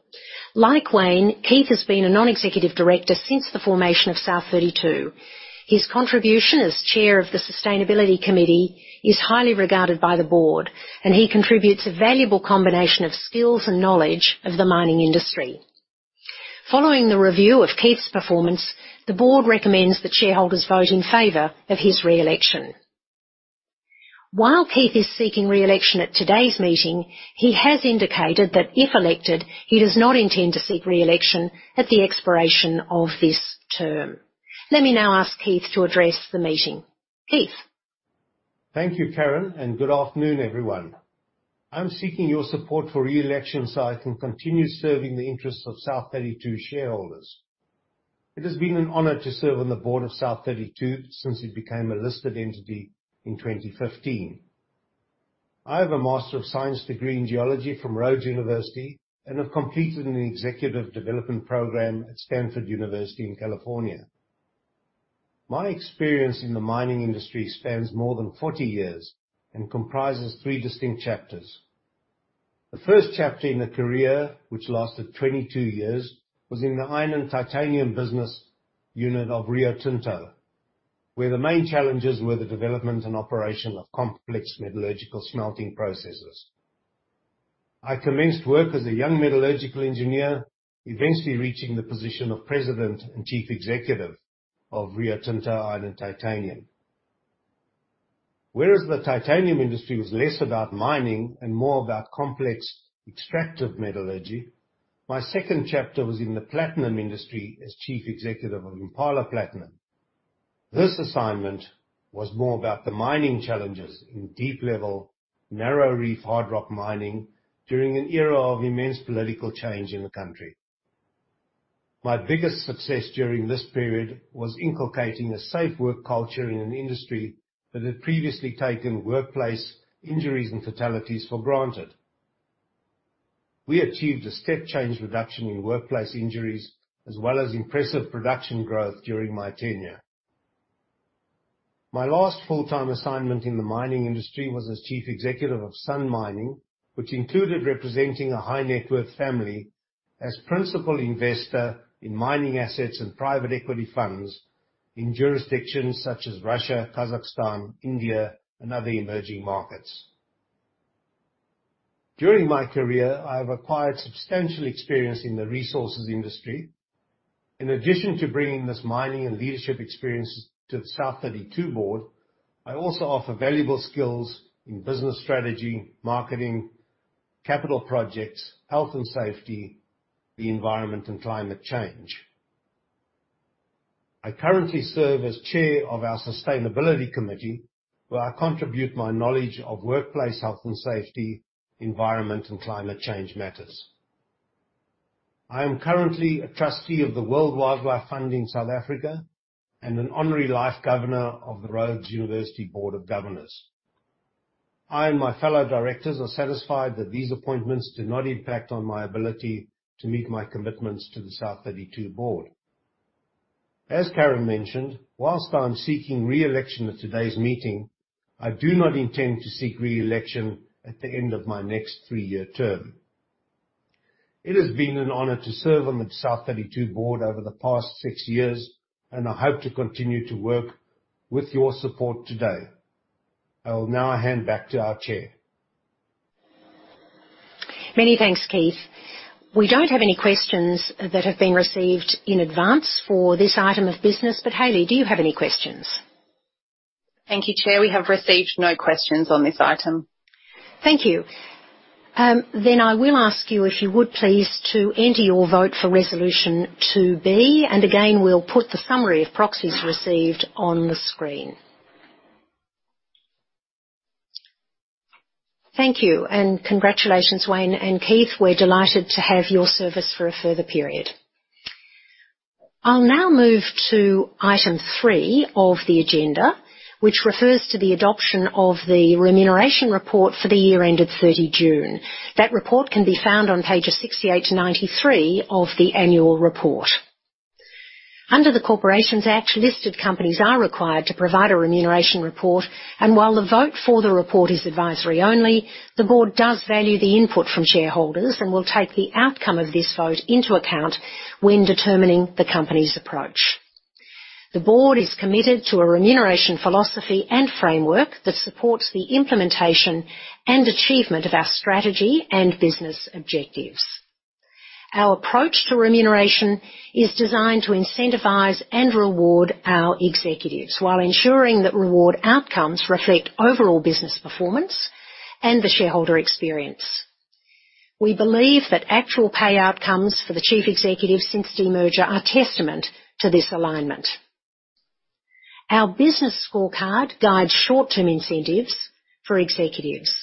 Like Wayne, Keith has been a Non-Executive Director since the formation of South32. His contribution as Chair of the Sustainability Committee is highly regarded by the Board, and he contributes a valuable combination of skills and knowledge of the mining industry. Following the review of Keith's performance, the Board recommends that shareholders vote in favor of his re-election. While Keith is seeking re-election at today's meeting, he has indicated that if elected, he does not intend to seek re-election at the expiration of this term. Let me now ask Keith to address the meeting. Keith. Thank you, Karen, and good afternoon, everyone. I'm seeking your support for re-election so I can continue serving the interests of South32 shareholders. It has been an honor to serve on the Board of South32 since it became a listed entity in 2015. I have a Master of Science degree in geology from Rhodes University and have completed an executive development program at Stanford University in California. My experience in the mining industry spans more than 40 years and comprises three distinct chapters. The first chapter in my career, which lasted 22 years, was in the Iron and Titanium business unit of Rio Tinto, where the main challenges were the development and operation of complex metallurgical smelting processes. I commenced work as a young metallurgical engineer, eventually reaching the position of President and Chief Executive of Rio Tinto Iron and Titanium. Whereas the titanium industry was less about mining and more about complex extractive metallurgy, my second chapter was in the platinum industry as Chief Executive of Impala Platinum. This assignment was more about the mining challenges in deep-level, narrow reef, hard rock mining during an era of immense political change in the country. My biggest success during this period was inculcating a safe work culture in an industry that had previously taken workplace injuries and fatalities for granted. We achieved a step change reduction in workplace injuries as well as impressive production growth during my tenure. My last full-time assignment in the mining industry was as Chief Executive of Sun Mining, which included representing a high-net-worth family as principal investor in mining assets and private equity funds in jurisdictions such as Russia, Kazakhstan, India, and other emerging markets. During my career, I have acquired substantial experience in the resources industry. In addition to bringing this mining and leadership experience to the South32 Board, I also offer valuable skills in business strategy, marketing, capital projects, health and safety, the environment and climate change. I currently serve as Chair of our Sustainability Committee, where I contribute my knowledge of workplace health and safety, environment and climate change matters. I am currently a trustee of the WWF South Africa in South Africa and an Honorary Life Governor of the Rhodes University Board of Governors. I and my fellow directors are satisfied that these appointments do not impact on my ability to meet my commitments to the South32 Board. As Karen mentioned, while I am seeking re-election at today's meeting, I do not intend to seek re-election at the end of my next 3-year term. It has been an honor to serve on the South32 Board over the past 6 years, and I hope to continue to work with your support today. I will now hand back to our Chair. Many thanks, Keith. We don't have any questions that have been received in advance for this item of business, but Hayley, do you have any questions? Thank you, Chair. We have received no questions on this item. Thank you. I will ask you, if you would please, to enter your vote for Resolution 2(b), and again, we'll put the summary of proxies received on the screen. Thank you, and congratulations, Wayne and Keith. We're delighted to have your service for a further period. I'll now move to Item 3 of the agenda, which refers to the adoption of the remuneration report for the year ended 30 June. That report can be found on pages 68-93 of the annual report. Under the Corporations Act, listed companies are required to provide a remuneration report, and while the vote for the report is advisory only, the Board does value the input from shareholders and will take the outcome of this vote into account when determining the company's approach. The Board is committed to a remuneration philosophy and framework that supports the implementation and achievement of our strategy and business objectives. Our approach to remuneration is designed to incentivize and reward our executives while ensuring that reward outcomes reflect overall business performance and the shareholder experience. We believe that actual payout comes for the Chief Executive since demerger are testament to this alignment. Our business scorecard guides short-term incentives for executives.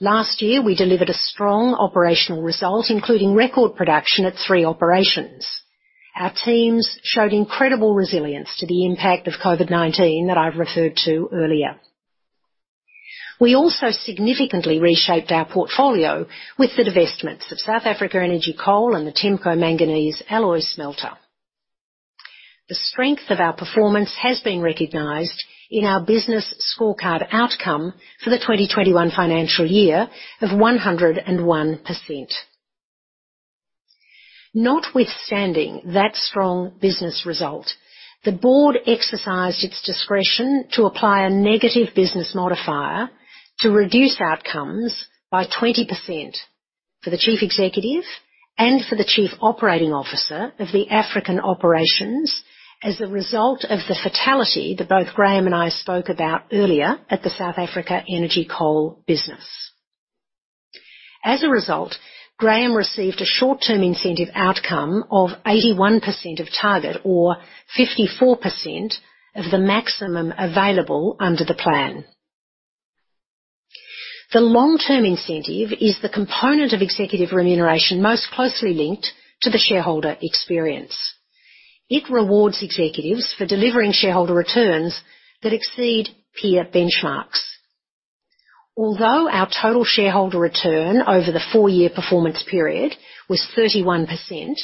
Last year, we delivered a strong operational result, including record production at three operations. Our teams showed incredible resilience to the impact of COVID-19 that I've referred to earlier. We also significantly reshaped our portfolio with the divestments of South Africa Energy Coal and the TEMCO Manganese Alloy Smelter. The strength of our performance has been recognized in our business scorecard outcome for the 2021 financial year of 101%. Notwithstanding that strong business result, the Board exercised its discretion to apply a negative business modifier to reduce outcomes by 20% for the Chief Executive and for the Chief Operating Officer of the African operations as a result of the fatality that both Graham and I spoke about earlier at the South Africa Energy Coal business. As a result, Graham received a short-term incentive outcome of 81% of target or 54% of the maximum available under the plan. The long-term incentive is the component of executive remuneration most closely linked to the shareholder experience. It rewards executives for delivering shareholder returns that exceed peer benchmarks. Although our total shareholder return over the 4-year performance period was 31%,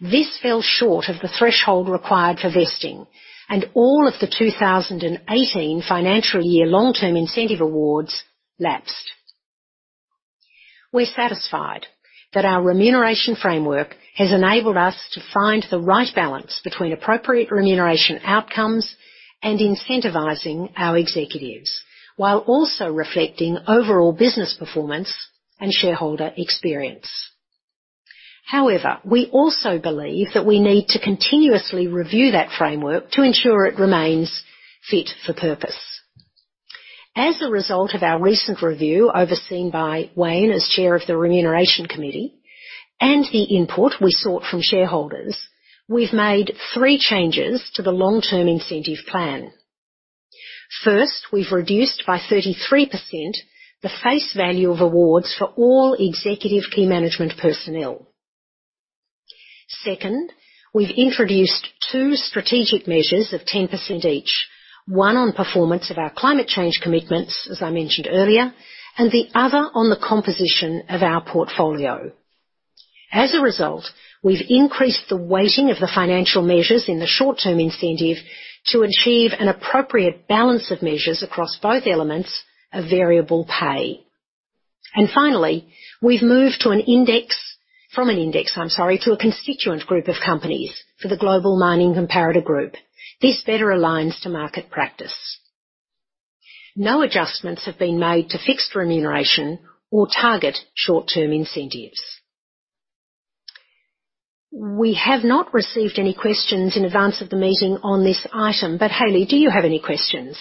this fell short of the threshold required for vesting, and all of the 2018 financial year long-term incentive awards lapsed. We're satisfied that our remuneration framework has enabled us to find the right balance between appropriate remuneration outcomes and incentivizing our executives, while also reflecting overall business performance and shareholder experience. However, we also believe that we need to continuously review that framework to ensure it remains fit for purpose. As a result of our recent review, overseen by Wayne Osborn as Chair of the Remuneration Committee and the input we sought from shareholders, we've made three changes to the long-term incentive plan. First, we've reduced by 33% the face value of awards for all executive key management personnel. Second, we've introduced two strategic measures of 10% each. One on performance of our climate change commitments, as I mentioned earlier, and the other on the composition of our portfolio. As a result, we've increased the weighting of the financial measures in the short-term incentive to achieve an appropriate balance of measures across both elements of variable pay. Finally, we've moved from an index, I'm sorry, to a constituent group of companies for the global mining comparator group. This better aligns to market practice. No adjustments have been made to fixed remuneration or target short-term incentives. We have not received any questions in advance of the meeting on this item. Hayley, do you have any questions?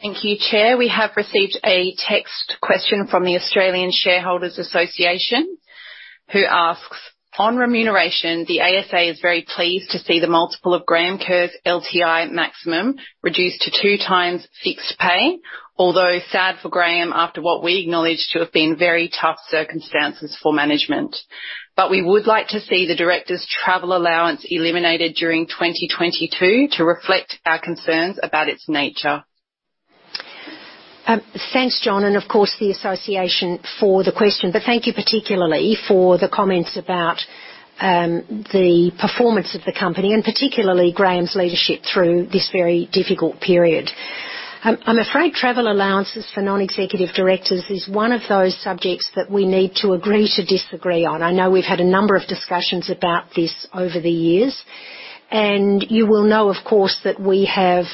Thank you, Chair. We have received a text question from the Australian Shareholders' Association, who asks, "On remuneration, the ASA is very pleased to see the multiple of Graham Kerr's LTI maximum reduced to 2x fixed pay. Although sad for Graham after what we acknowledge to have been very tough circumstances for management. We would like to see the directors' travel allowance eliminated during 2022 to reflect our concerns about its nature. Thanks, John, and of course, the association for the question. Thank you particularly for the comments about the performance of the company and particularly Graham's leadership through this very difficult period. I'm afraid travel allowances for Non-Executive Directors is one of those subjects that we need to agree to disagree on. I know we've had a number of discussions about this over the years, and you will know, of course, that we have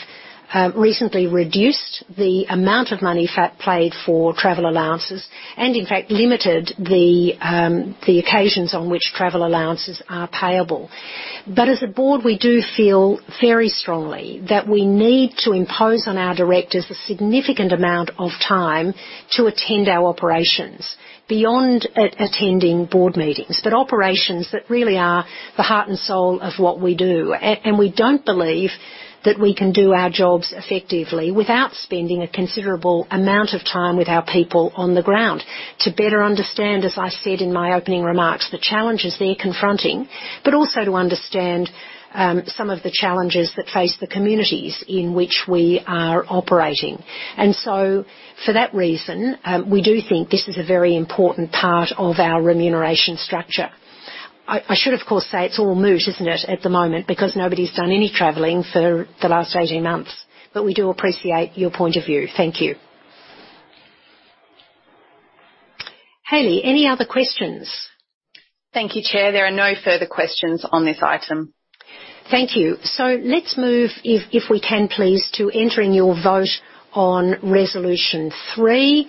recently reduced the amount of money paid for travel allowances and in fact limited the occasions on which travel allowances are payable. As a Board, we do feel very strongly that we need to impose on our directors a significant amount of time to attend our operations beyond attending Board meetings. Operations that really are the heart and soul of what we do. We don't believe that we can do our jobs effectively without spending a considerable amount of time with our people on the ground to better understand, as I said in my opening remarks, the challenges they're confronting, but also to understand some of the challenges that face the communities in which we are operating. For that reason, we do think this is a very important part of our remuneration structure. I should, of course, say it's all moot, isn't it, at the moment because nobody's done any traveling for the last 18 months. We do appreciate your point of view. Thank you. Hayley, any other questions? Thank you, Chair. There are no further questions on this item. Thank you. Let's move, if we can please, to entering your vote on Resolution 3.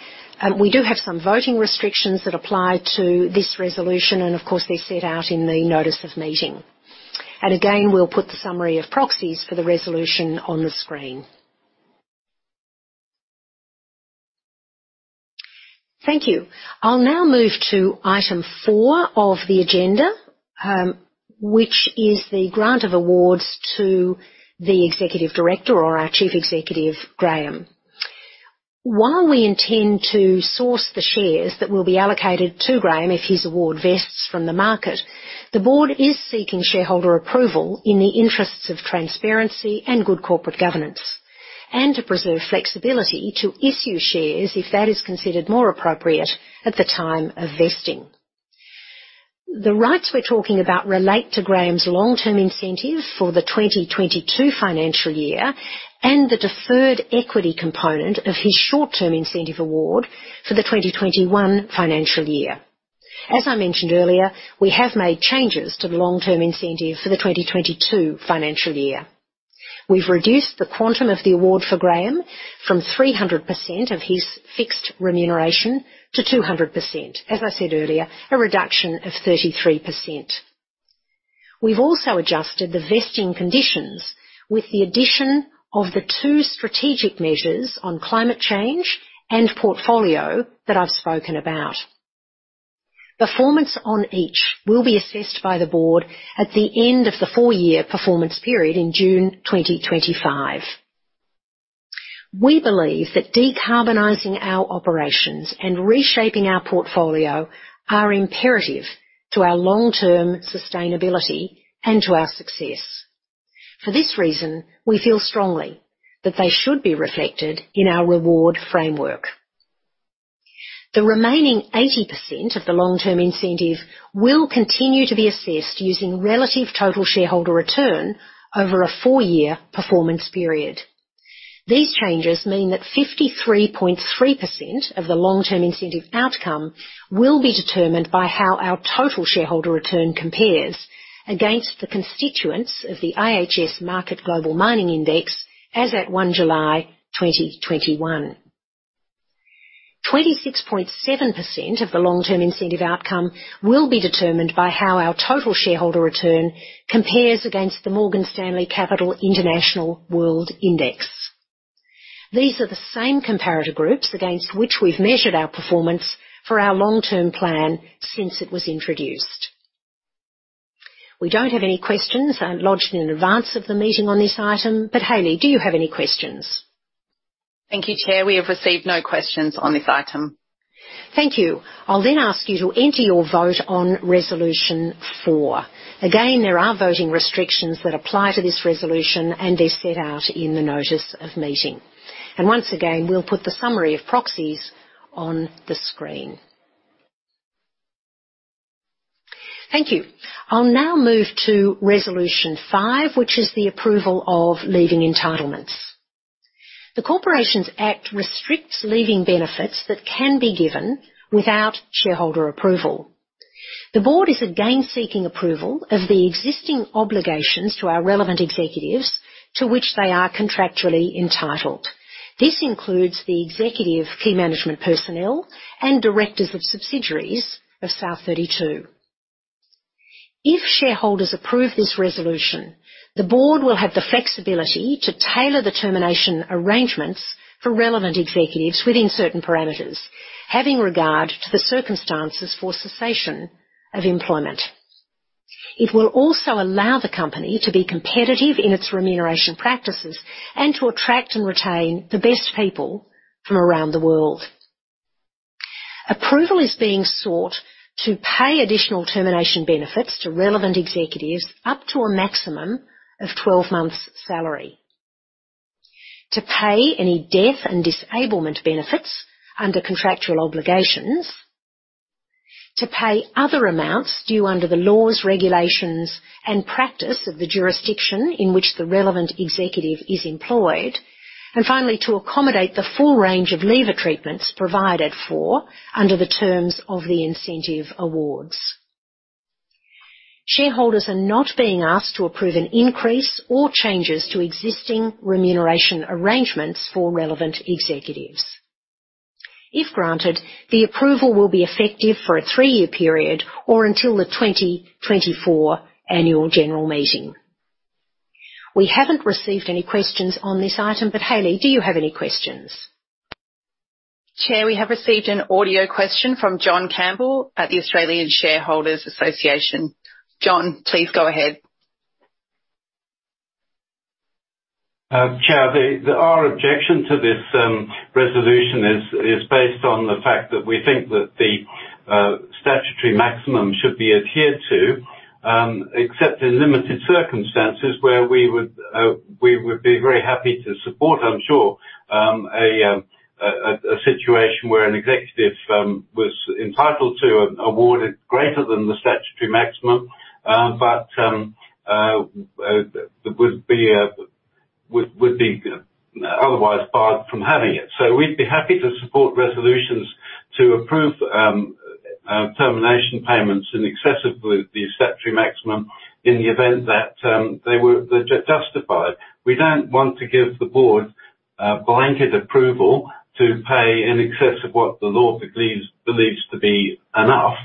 We do have some voting restrictions that apply to this resolution and of course, they're set out in the notice of meeting. Again, we'll put the summary of proxies for the resolution on the screen. Thank you. I'll now move to Item 4 of the agenda, which is the grant of awards to the Executive Director or our Chief Executive, Graham. While we intend to source the shares that will be allocated to Graham if his award vests from the market, the Board is seeking shareholder approval in the interests of transparency and good corporate governance, and to preserve flexibility to issue shares if that is considered more appropriate at the time of vesting. The rights we're talking about relate to Graham's long-term incentives for the 2022 financial year and the deferred equity component of his short-term incentive award for the 2021 financial year. As I mentioned earlier, we have made changes to the long-term incentive for the 2022 financial year. We've reduced the quantum of the award for Graham from 300% of his fixed remuneration to 200%. As I said earlier, a reduction of 33%. We've also adjusted the vesting conditions with the addition of the two strategic measures on climate change and portfolio that I've spoken about. Performance on each will be assessed by the Board at the end of the 4-year performance period in June 2025. We believe that decarbonizing our operations and reshaping our portfolio are imperative to our long-term sustainability and to our success. For this reason, we feel strongly that they should be reflected in our reward framework. The remaining 80% of the long-term incentive will continue to be assessed using relative total shareholder return over a 4-year performance period. These changes mean that 53.3% of the long-term incentive outcome will be determined by how our total shareholder return compares against the constituents of the IHS Markit Global Mining Index as at 1 July 2021. 26.7% of the long-term incentive outcome will be determined by how our total shareholder return compares against the Morgan Stanley Capital International World Index. These are the same comparator groups against which we've measured our performance for our long-term plan since it was introduced. We don't have any questions, lodged in advance of the meeting on this item, but Hayley, do you have any questions? Thank you, Chair. We have received no questions on this item. Thank you. I'll then ask you to enter your vote on Resolution 4. Again, there are voting restrictions that apply to this resolution and are set out in the notice of meeting. Once again, we'll put the summary of proxies on the screen. Thank you. I'll now move to Resolution 5, which is the approval of leaving entitlements. The Corporations Act restricts leaving benefits that can be given without shareholder approval. The Board is again seeking approval of the existing obligations to our relevant executives to which they are contractually entitled. This includes the executive key management personnel and directors of subsidiaries of South32. If shareholders approve this resolution, the Board will have the flexibility to tailor the termination arrangements for relevant executives within certain parameters, having regard to the circumstances for cessation of employment. It will also allow the company to be competitive in its remuneration practices and to attract and retain the best people from around the world. Approval is being sought to pay additional termination benefits to relevant executives up to a maximum of 12 months' salary. To pay any death and disablement benefits under contractual obligations. To pay other amounts due under the laws, regulations, and practice of the jurisdiction in which the relevant executive is employed. And finally, to accommodate the full range of leaver treatments provided for under the terms of the incentive awards. Shareholders are not being asked to approve an increase or changes to existing remuneration arrangements for relevant executives. If granted, the approval will be effective for a 3-year period or until the 2024 Annual General Meeting. We haven't received any questions on this item, but Hayley, do you have any questions? Chair, we have received an audio question from John Campbell at the Australian Shareholders' Association. John, please go ahead. Chair, our objection to this resolution is based on the fact that we think that the statutory maximum should be adhered to, except in limited circumstances where we would be very happy to support, I'm sure, a situation where an executive was entitled to an award greater than the statutory maximum, but would be otherwise barred from having it. We'd be happy to support resolutions to approve termination payments in excess of the statutory maximum in the event that they were justified. We don't want to give the Board blanket approval to pay in excess of what the law believes to be enough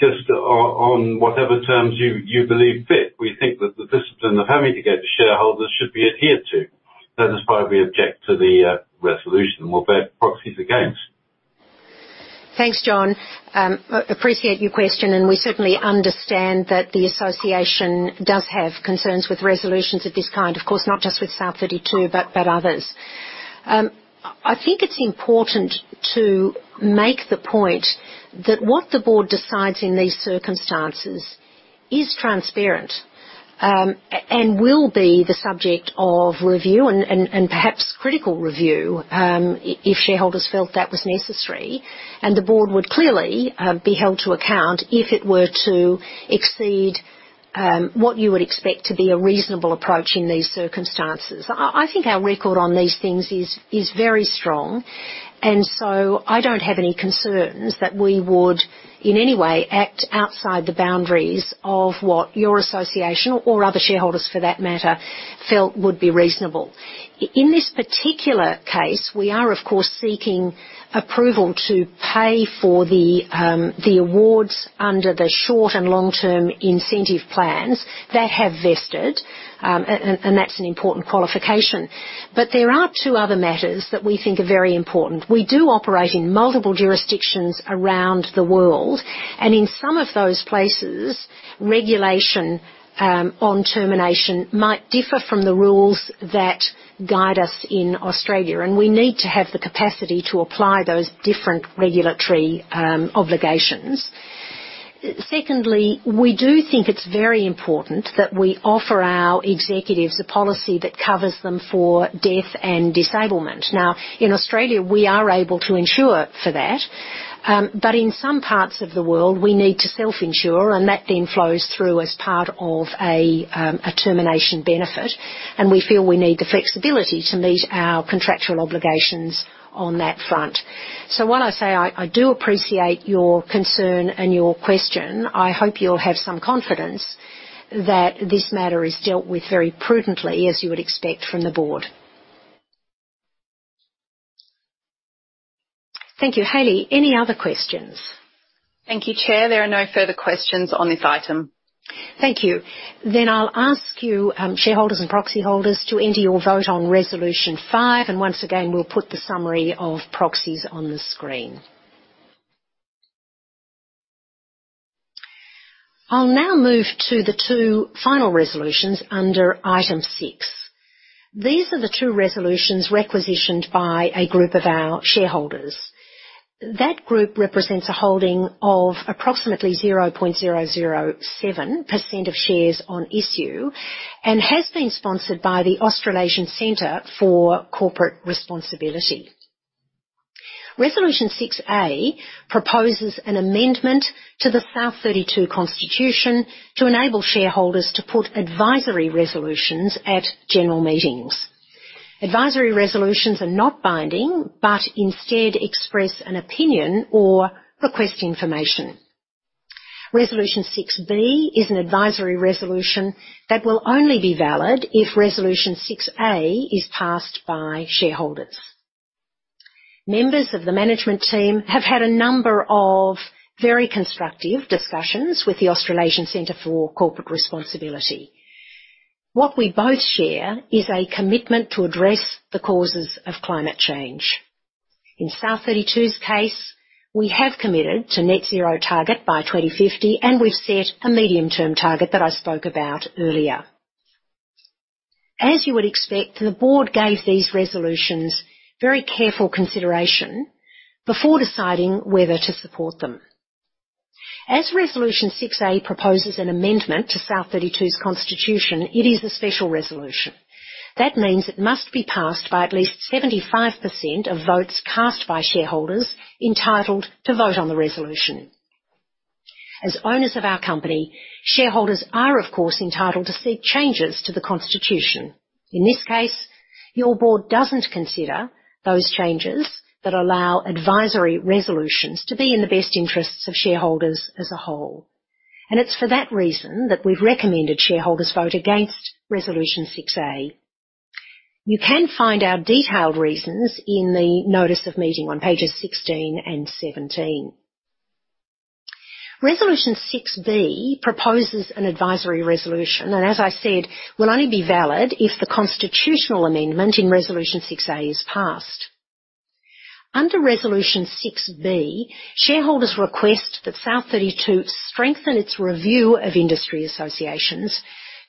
just on whatever terms you believe fit. We think that the discipline of having to go to shareholders should be adhered to. That is why we object to the resolution. We'll vote proxies against. Thanks, John. Appreciate your question, and we certainly understand that the association does have concerns with resolutions of this kind. Of course, not just with South32, but others. I think it's important to make the point that what the Board decides in these circumstances is transparent, and will be the subject of review and perhaps critical review, if shareholders felt that was necessary. The Board would clearly be held to account if it were to exceed what you would expect to be a reasonable approach in these circumstances. I think our record on these things is very strong, and so I don't have any concerns that we would, in any way, act outside the boundaries of what your association or other shareholders, for that matter, felt would be reasonable. In this particular case, we are of course seeking approval to pay for the awards under the short and long-term incentive plans that have vested. That's an important qualification. There are two other matters that we think are very important. We do operate in multiple jurisdictions around the world, and in some of those places, regulation on termination might differ from the rules that guide us in Australia. We need to have the capacity to apply those different regulatory obligations. Secondly, we do think it's very important that we offer our executives a policy that covers them for death and disablement. Now, in Australia, we are able to insure for that. In some parts of the world, we need to self-insure, and that then flows through as part of a termination benefit. We feel we need the flexibility to meet our contractual obligations on that front. While I say I do appreciate your concern and your question, I hope you'll have some confidence that this matter is dealt with very prudently, as you would expect from the Board. Thank you. Hayley, any other questions? Thank you, Chair. There are no further questions on this item. Thank you. I'll ask you, shareholders and proxy holders to enter your vote on Resolution 5, and once again, we'll put the summary of proxies on the screen. I'll now move to the two final resolutions under Item 6. These are the two resolutions requisitioned by a group of our shareholders. That group represents a holding of approximately 0.007% of shares on issue, and has been sponsored by the Australasian Centre for Corporate Responsibility. Resolution 6(a) proposes an amendment to the South32 constitution to enable shareholders to put advisory resolutions at general meetings. Advisory resolutions are not binding, but instead express an opinion or request information. Resolution 6(b) is an advisory resolution that will only be valid if Resolution 6(a) is passed by shareholders. Members of the management team have had a number of very constructive discussions with the Australasian Centre for Corporate Responsibility. What we both share is a commitment to address the causes of climate change. In South32's case, we have committed to net zero target by 2050, and we've set a medium-term target that I spoke about earlier. As you would expect, the Board gave these resolutions very careful consideration before deciding whether to support them. As Resolution 6(a) proposes an amendment to South32's constitution, it is a special resolution. That means it must be passed by at least 75% of votes cast by shareholders entitled to vote on the resolution. As owners of our company, shareholders are, of course, entitled to seek changes to the constitution. In this case, your Board doesn't consider those changes that allow advisory resolutions to be in the best interests of shareholders as a whole. It's for that reason that we've recommended shareholders vote against Resolution 6(a). You can find our detailed reasons in the notice of meeting on pages 16 and 17. Resolution 6(b) proposes an advisory resolution, and as I said, will only be valid if the constitutional amendment in Resolution 6(a) is passed. Under Resolution 6(b), shareholders request that South32 strengthen its review of industry associations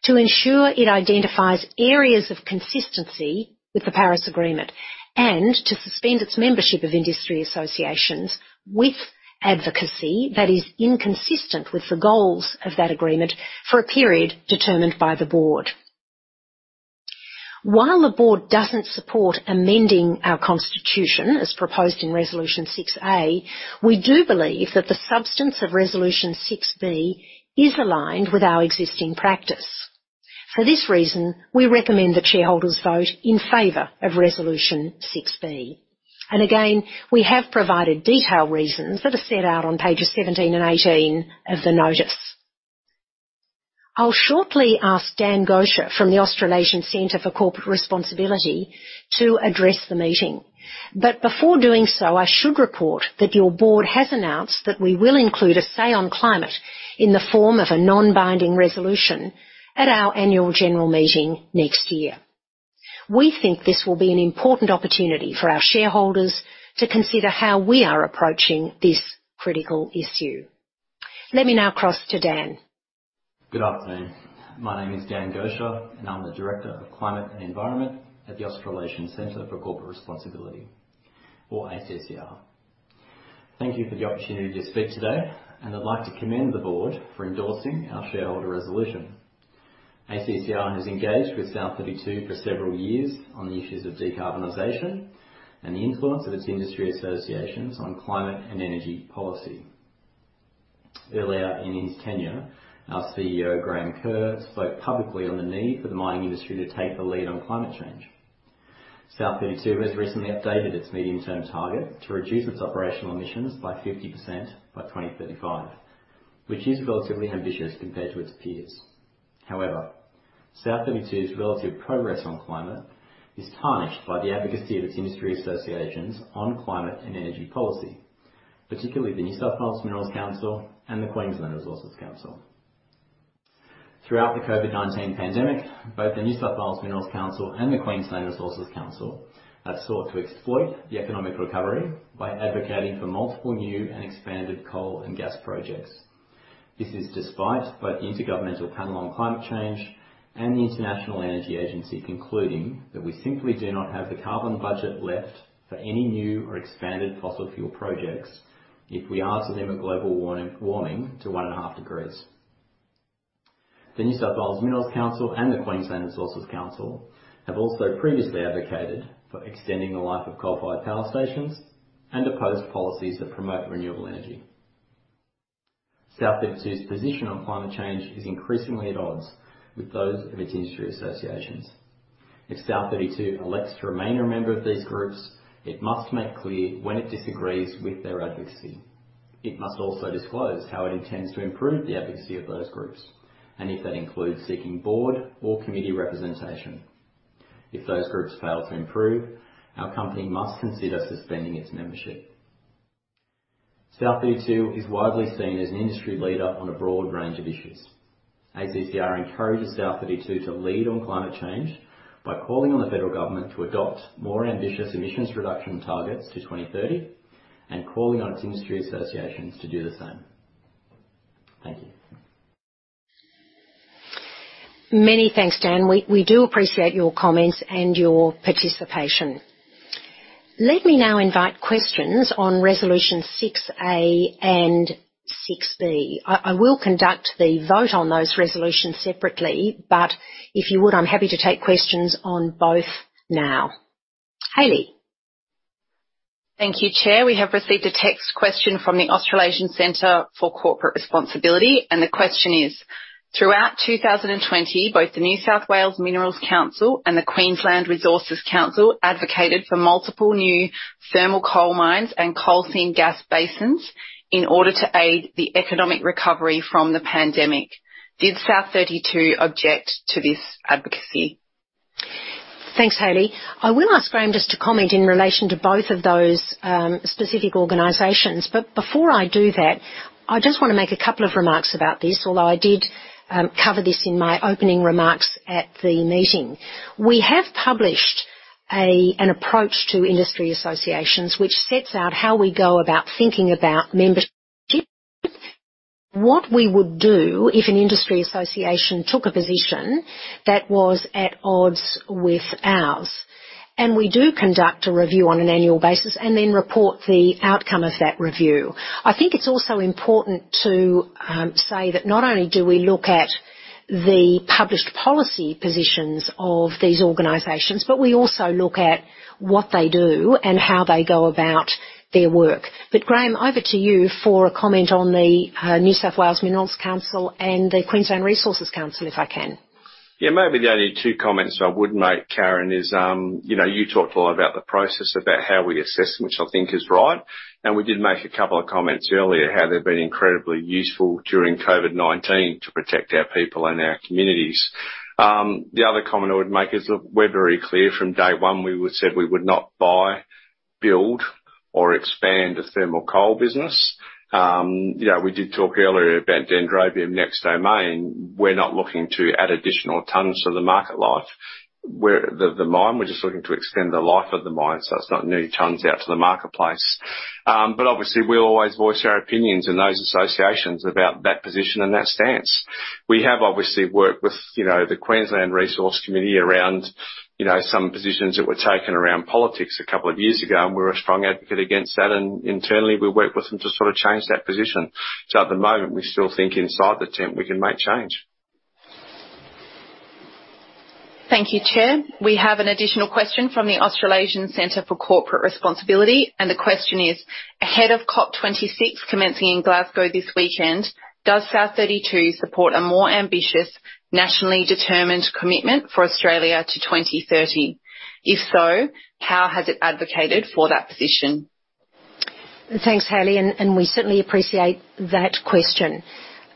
to ensure it identifies areas of consistency with the Paris Agreement and to suspend its membership of industry associations with advocacy that is inconsistent with the goals of that agreement for a period determined by the Board. While the Board doesn't support amending our constitution as proposed in Resolution 6(a), we do believe that the substance of Resolution 6(b) is aligned with our existing practice. For this reason, we recommend that shareholders vote in favor of Resolution 6(b). Again, we have provided detailed reasons that are set out on pages 17 and 18 of the notice. I'll shortly ask Dan Gocher from the Australasian Centre for Corporate Responsibility to address the meeting. Before doing so, I should report that your Board has announced that we will include a say on climate in the form of a non-binding resolution at our Annual General Meeting next year. We think this will be an important opportunity for our shareholders to consider how we are approaching this critical issue. Let me now cross to Dan. Good afternoon. My name is Dan Gocher, and I'm the Director of Climate and Environment at the Australasian Centre for Corporate Responsibility, or ACCR. Thank you for the opportunity to speak today, and I'd like to commend the Board for endorsing our shareholder resolution. ACCR has engaged with South32 for several years on the issues of decarbonization and the influence of its industry associations on climate and energy policy. Earlier in his tenure, our CEO, Graham Kerr, spoke publicly on the need for the mining industry to take the lead on climate change. South32 has recently updated its medium-term target to reduce its operational emissions by 50% by 2035, which is relatively ambitious compared to its peers. However, South32's relative progress on climate is tarnished by the advocacy of its industry associations on climate and energy policy, particularly the New South Wales Minerals Council and the Queensland Resources Council. Throughout the COVID-19 pandemic, both the New South Wales Minerals Council and the Queensland Resources Council have sought to exploit the economic recovery by advocating for multiple new and expanded coal and gas projects. This is despite both the Intergovernmental Panel on Climate Change and the International Energy Agency concluding that we simply do not have the carbon budget left for any new or expanded fossil fuel projects if we are to limit global warming to 1.5 degrees. The New South Wales Minerals Council and the Queensland Resources Council have also previously advocated for extending the life of coal-fired power stations and opposed policies that promote renewable energy. South32's position on climate change is increasingly at odds with those of its industry associations. If South32 elects to remain a member of these groups, it must make clear when it disagrees with their advocacy. It must also disclose how it intends to improve the advocacy of those groups and if that includes seeking Board or committee representation. If those groups fail to improve, our company must consider suspending its membership. South32 is widely seen as an industry leader on a broad range of issues. ACCR encourages South32 to lead on climate change by calling on the federal government to adopt more ambitious emissions reduction targets to 2030 and calling on its industry associations to do the same. Thank you. Many thanks, Dan. We do appreciate your comments and your participation. Let me now invite questions on Resolution 6(a) and 6(b). I will conduct the vote on those resolutions separately, but if you would, I'm happy to take questions on both now. Hayley. Thank you, Chair. We have received a text question from the Australasian Centre for Corporate Responsibility, and the question is: Throughout 2020, both the New South Wales Minerals Council and the Queensland Resources Council advocated for multiple new thermal coal mines and coal seam gas basins in order to aid the economic recovery from the pandemic. Did South32 object to this advocacy? Thanks, Hayley. I will ask Graham just to comment in relation to both of those specific organizations. Before I do that, I just wanna make a couple of remarks about this, although I did cover this in my opening remarks at the meeting. We have published an approach to industry associations which sets out how we go about thinking about membership, what we would do if an industry association took a position that was at odds with ours. We do conduct a review on an annual basis and then report the outcome of that review. I think it's also important to say that not only do we look at the published policy positions of these organizations, but we also look at what they do and how they go about their work. Graham, over to you for a comment on the New South Wales Minerals Council and the Queensland Resources Council, if I can. Yeah, maybe the only two comments I would make, Karen, is you know, you talked a lot about the process, about how we assess, which I think is right, and we did make a couple of comments earlier, how they've been incredibly useful during COVID-19 to protect our people and our communities. The other comment I would make is, look, we're very clear from day one, we said we would not buy, build or expand a thermal coal business. You know, we did talk earlier about Dendrobium Next Domain. We're not looking to add additional tons to the mine life. The mine, we're just looking to extend the life of the mine so it's not new tons out to the marketplace. Obviously we always voice our opinions in those associations about that position and that stance. We have obviously worked with, you know, the Queensland Resources Council around, you know, some positions that were taken around politics a couple of years ago, and we're a strong advocate against that. Internally, we worked with them to sort of change that position. At the moment, we still think inside the tent we can make change. Thank you, Chair. We have an additional question from the Australasian Centre for Corporate Responsibility, and the question is: Ahead of COP26 commencing in Glasgow this weekend, does South32 support a more ambitious, nationally determined commitment for Australia to 2030? If so, how has it advocated for that position? Thanks, Hayley, and we certainly appreciate that question.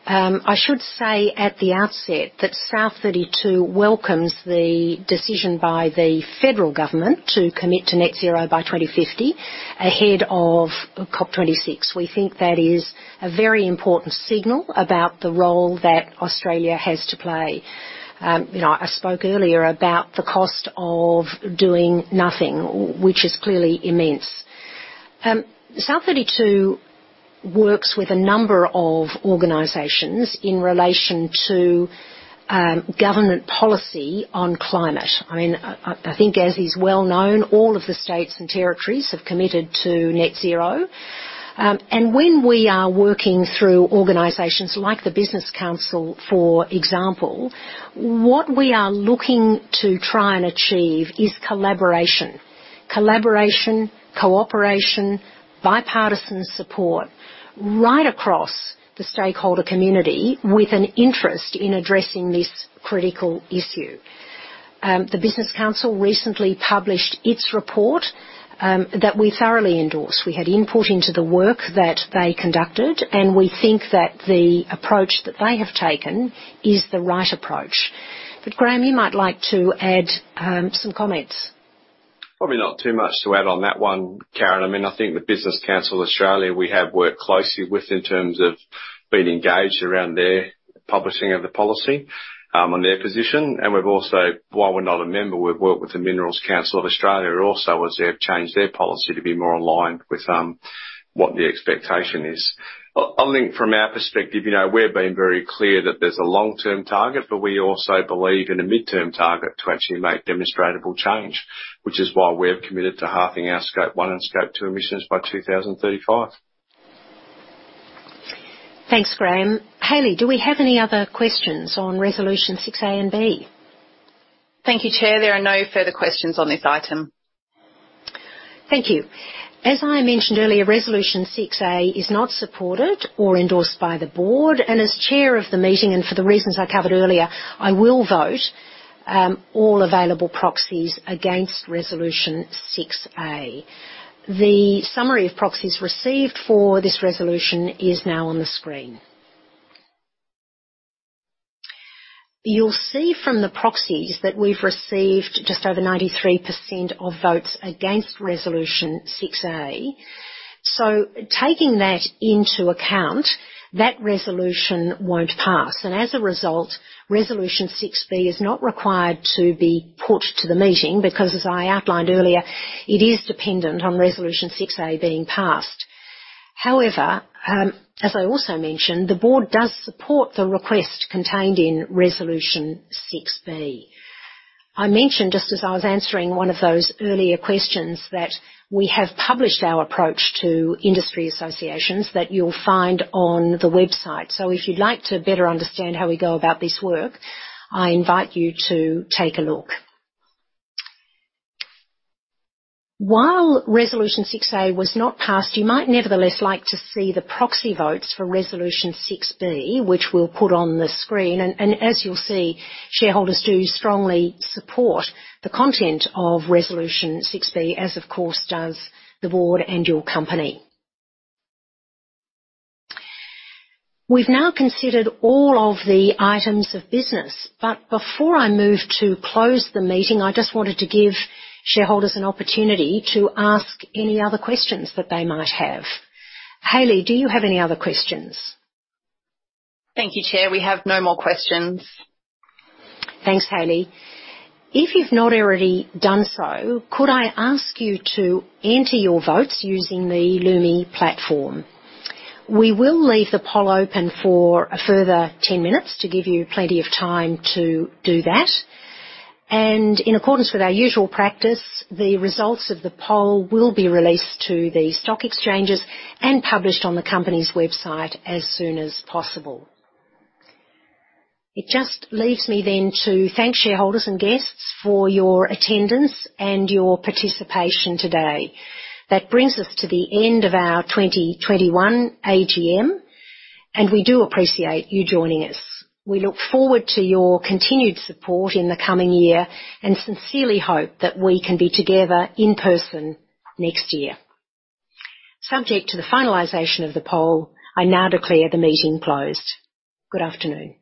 I should say at the outset that South32 welcomes the decision by the federal government to commit to net zero by 2050 ahead of COP26. We think that is a very important signal about the role that Australia has to play. You know, I spoke earlier about the cost of doing nothing, which is clearly immense. South32 works with a number of organizations in relation to government policy on climate. I mean, I think as is well known, all of the states and territories have committed to net zero. When we are working through organizations like the Business Council, for example, what we are looking to try and achieve is collaboration. Collaboration, cooperation, bipartisan support right across the stakeholder community with an interest in addressing this critical issue. The Business Council recently published its report that we thoroughly endorse. We had input into the work that they conducted, and we think that the approach that they have taken is the right approach. Graham, you might like to add some comments. Probably not too much to add on that one, Karen. I mean, I think the Business Council of Australia, we have worked closely with in terms of being engaged around their publishing of the policy on their position. We've also, while we're not a member, worked with the Minerals Council of Australia also as they've changed their policy to be more aligned with what the expectation is. I think from our perspective, you know, we've been very clear that there's a long-term target, but we also believe in a midterm target to actually make demonstrable change, which is why we have committed to halving our Scope 1 and Scope 2 emissions by 2035. Thanks, Graham. Hayley, do we have any other questions on Resolution 6(a) and 6(b)? Thank you, Chair. There are no further questions on this item. Thank you. As I mentioned earlier, Resolution 6(a) is not supported or endorsed by the Board, and as Chair of the meeting and for the reasons I covered earlier, I will vote all available proxies against Resolution 6(a). The summary of proxies received for this resolution is now on the screen. You'll see from the proxies that we've received just over 93% of votes against Resolution 6(a). Taking that into account, that resolution won't pass, and as a result, Resolution 6(b) is not required to be put to the meeting because as I outlined earlier, it is dependent on Resolution 6(a) being passed. However, as I also mentioned, the Board does support the request contained in Resolution 6(b). I mentioned just as I was answering one of those earlier questions that we have published our approach to industry associations that you'll find on the website. If you'd like to better understand how we go about this work, I invite you to take a look. While Resolution 6(a) was not passed, you might nevertheless like to see the proxy votes for Resolution 6(b), which we'll put on the screen. As you'll see, shareholders do strongly support the content of Resolution 6(b) as of course does the Board and your company. We've now considered all of the items of business. Before I move to close the meeting, I just wanted to give shareholders an opportunity to ask any other questions that they might have. Hayley, do you have any other questions? Thank you, Chair. We have no more questions. Thanks, Hayley. If you've not already done so, could I ask you to enter your votes using the Lumi platform? We will leave the poll open for a further 10 minutes to give you plenty of time to do that. In accordance with our usual practice, the results of the poll will be released to the stock exchanges and published on the company's website as soon as possible. It just leaves me then to thank shareholders and guests for your attendance and your participation today. That brings us to the end of our 2021 AGM, and we do appreciate you joining us. We look forward to your continued support in the coming year and sincerely hope that we can be together in person next year. Subject to the finalization of the poll, I now declare the meeting closed. Good afternoon.